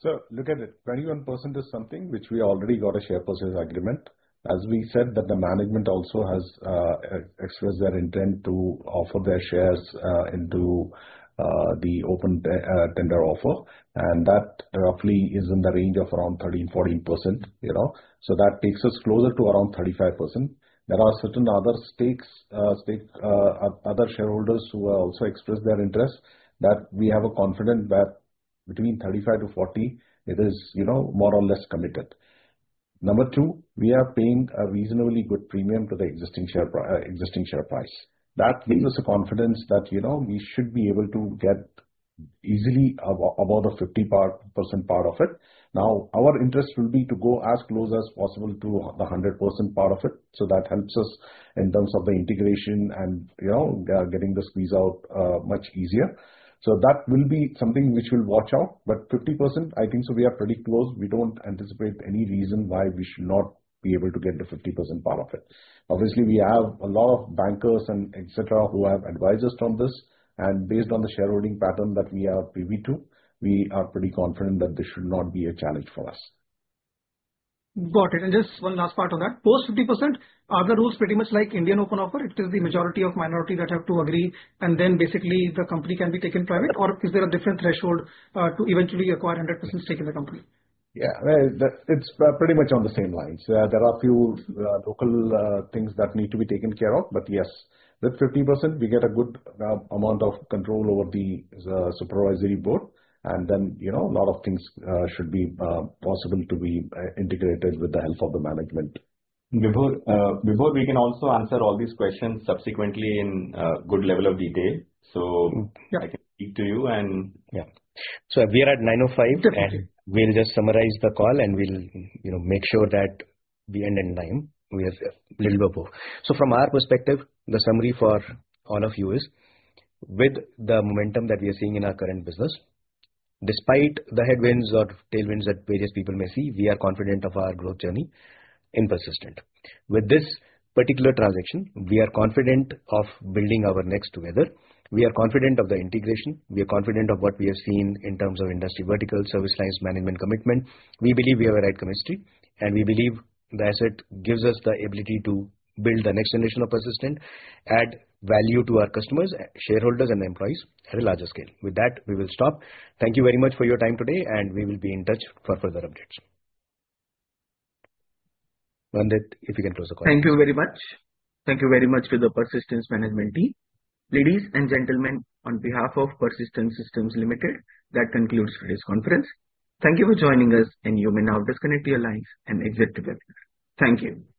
proceed? Look at it, 21% is something which we already got a share purchase agreement. As we said that the management also has expressed their intent to offer their shares into the open tender offer, and that roughly is in the range of around 13%-14%. That takes us closer to around 35%. There are certain other stakeholders who have also expressed their interest, that we have a confidence that between 35%-40% it is more or less committed. Number two, we are paying a reasonably good premium to the existing share price. That gives us the confidence that we should be able to get easily about a 50% part of it. Now, our interest will be to go as close as possible to the 100% part of it. That helps us in terms of the integration and getting the squeeze out much easier. That will be something which we'll watch out. 50%, I think so we are pretty close. We don't anticipate any reason why we should not be able to get to 50% part of it. Obviously, we have a lot of bankers and et cetera who have advised us on this, and based on the shareholding pattern that we are privy to, we are pretty confident that this should not be a challenge for us. Got it. Just one last part on that. Post 50%, are the rules pretty much like Indian open offer? It is the majority of minority that have to agree and then basically the company can be taken private? Or is there a different threshold to eventually acquire 100% stake in the company? Yeah. It's pretty much on the same lines. There are few local things that need to be taken care of, but yes, with 50% we get a good amount of control over the supervisory board, and then a lot of things should be possible to be integrated with the help of the management. Vibhor, we can also answer all these questions subsequently in good level of detail. Yeah. I can speak to you. Yeah. We are at 9:05 A.M. Okay. We'll just summarize the call and we'll make sure that we end in time. We are a little bit over. From our perspective, the summary for all of you is, with the momentum that we are seeing in our current business, despite the headwinds or tailwinds that various people may see, we are confident of our growth journey in Persistent. With this particular transaction, we are confident of building our next together. We are confident of the integration. We are confident of what we have seen in terms of industry vertical, service lines, management commitment. We believe we have the right chemistry, and we believe the asset gives us the ability to build the next generation of Persistent, add value to our customers, shareholders, and employees at a larger scale. With that, we will stop. Thank you very much for your time today, and we will be in touch for further updates. Mandar, if you can close the call. Thank you very much. Thank you very much to the Persistent management team. Ladies and gentlemen, on behalf of Persistent Systems Limited, that concludes today's conference. Thank you for joining us, and you may now disconnect your lines and exit the webinar. Thank you. Thank you.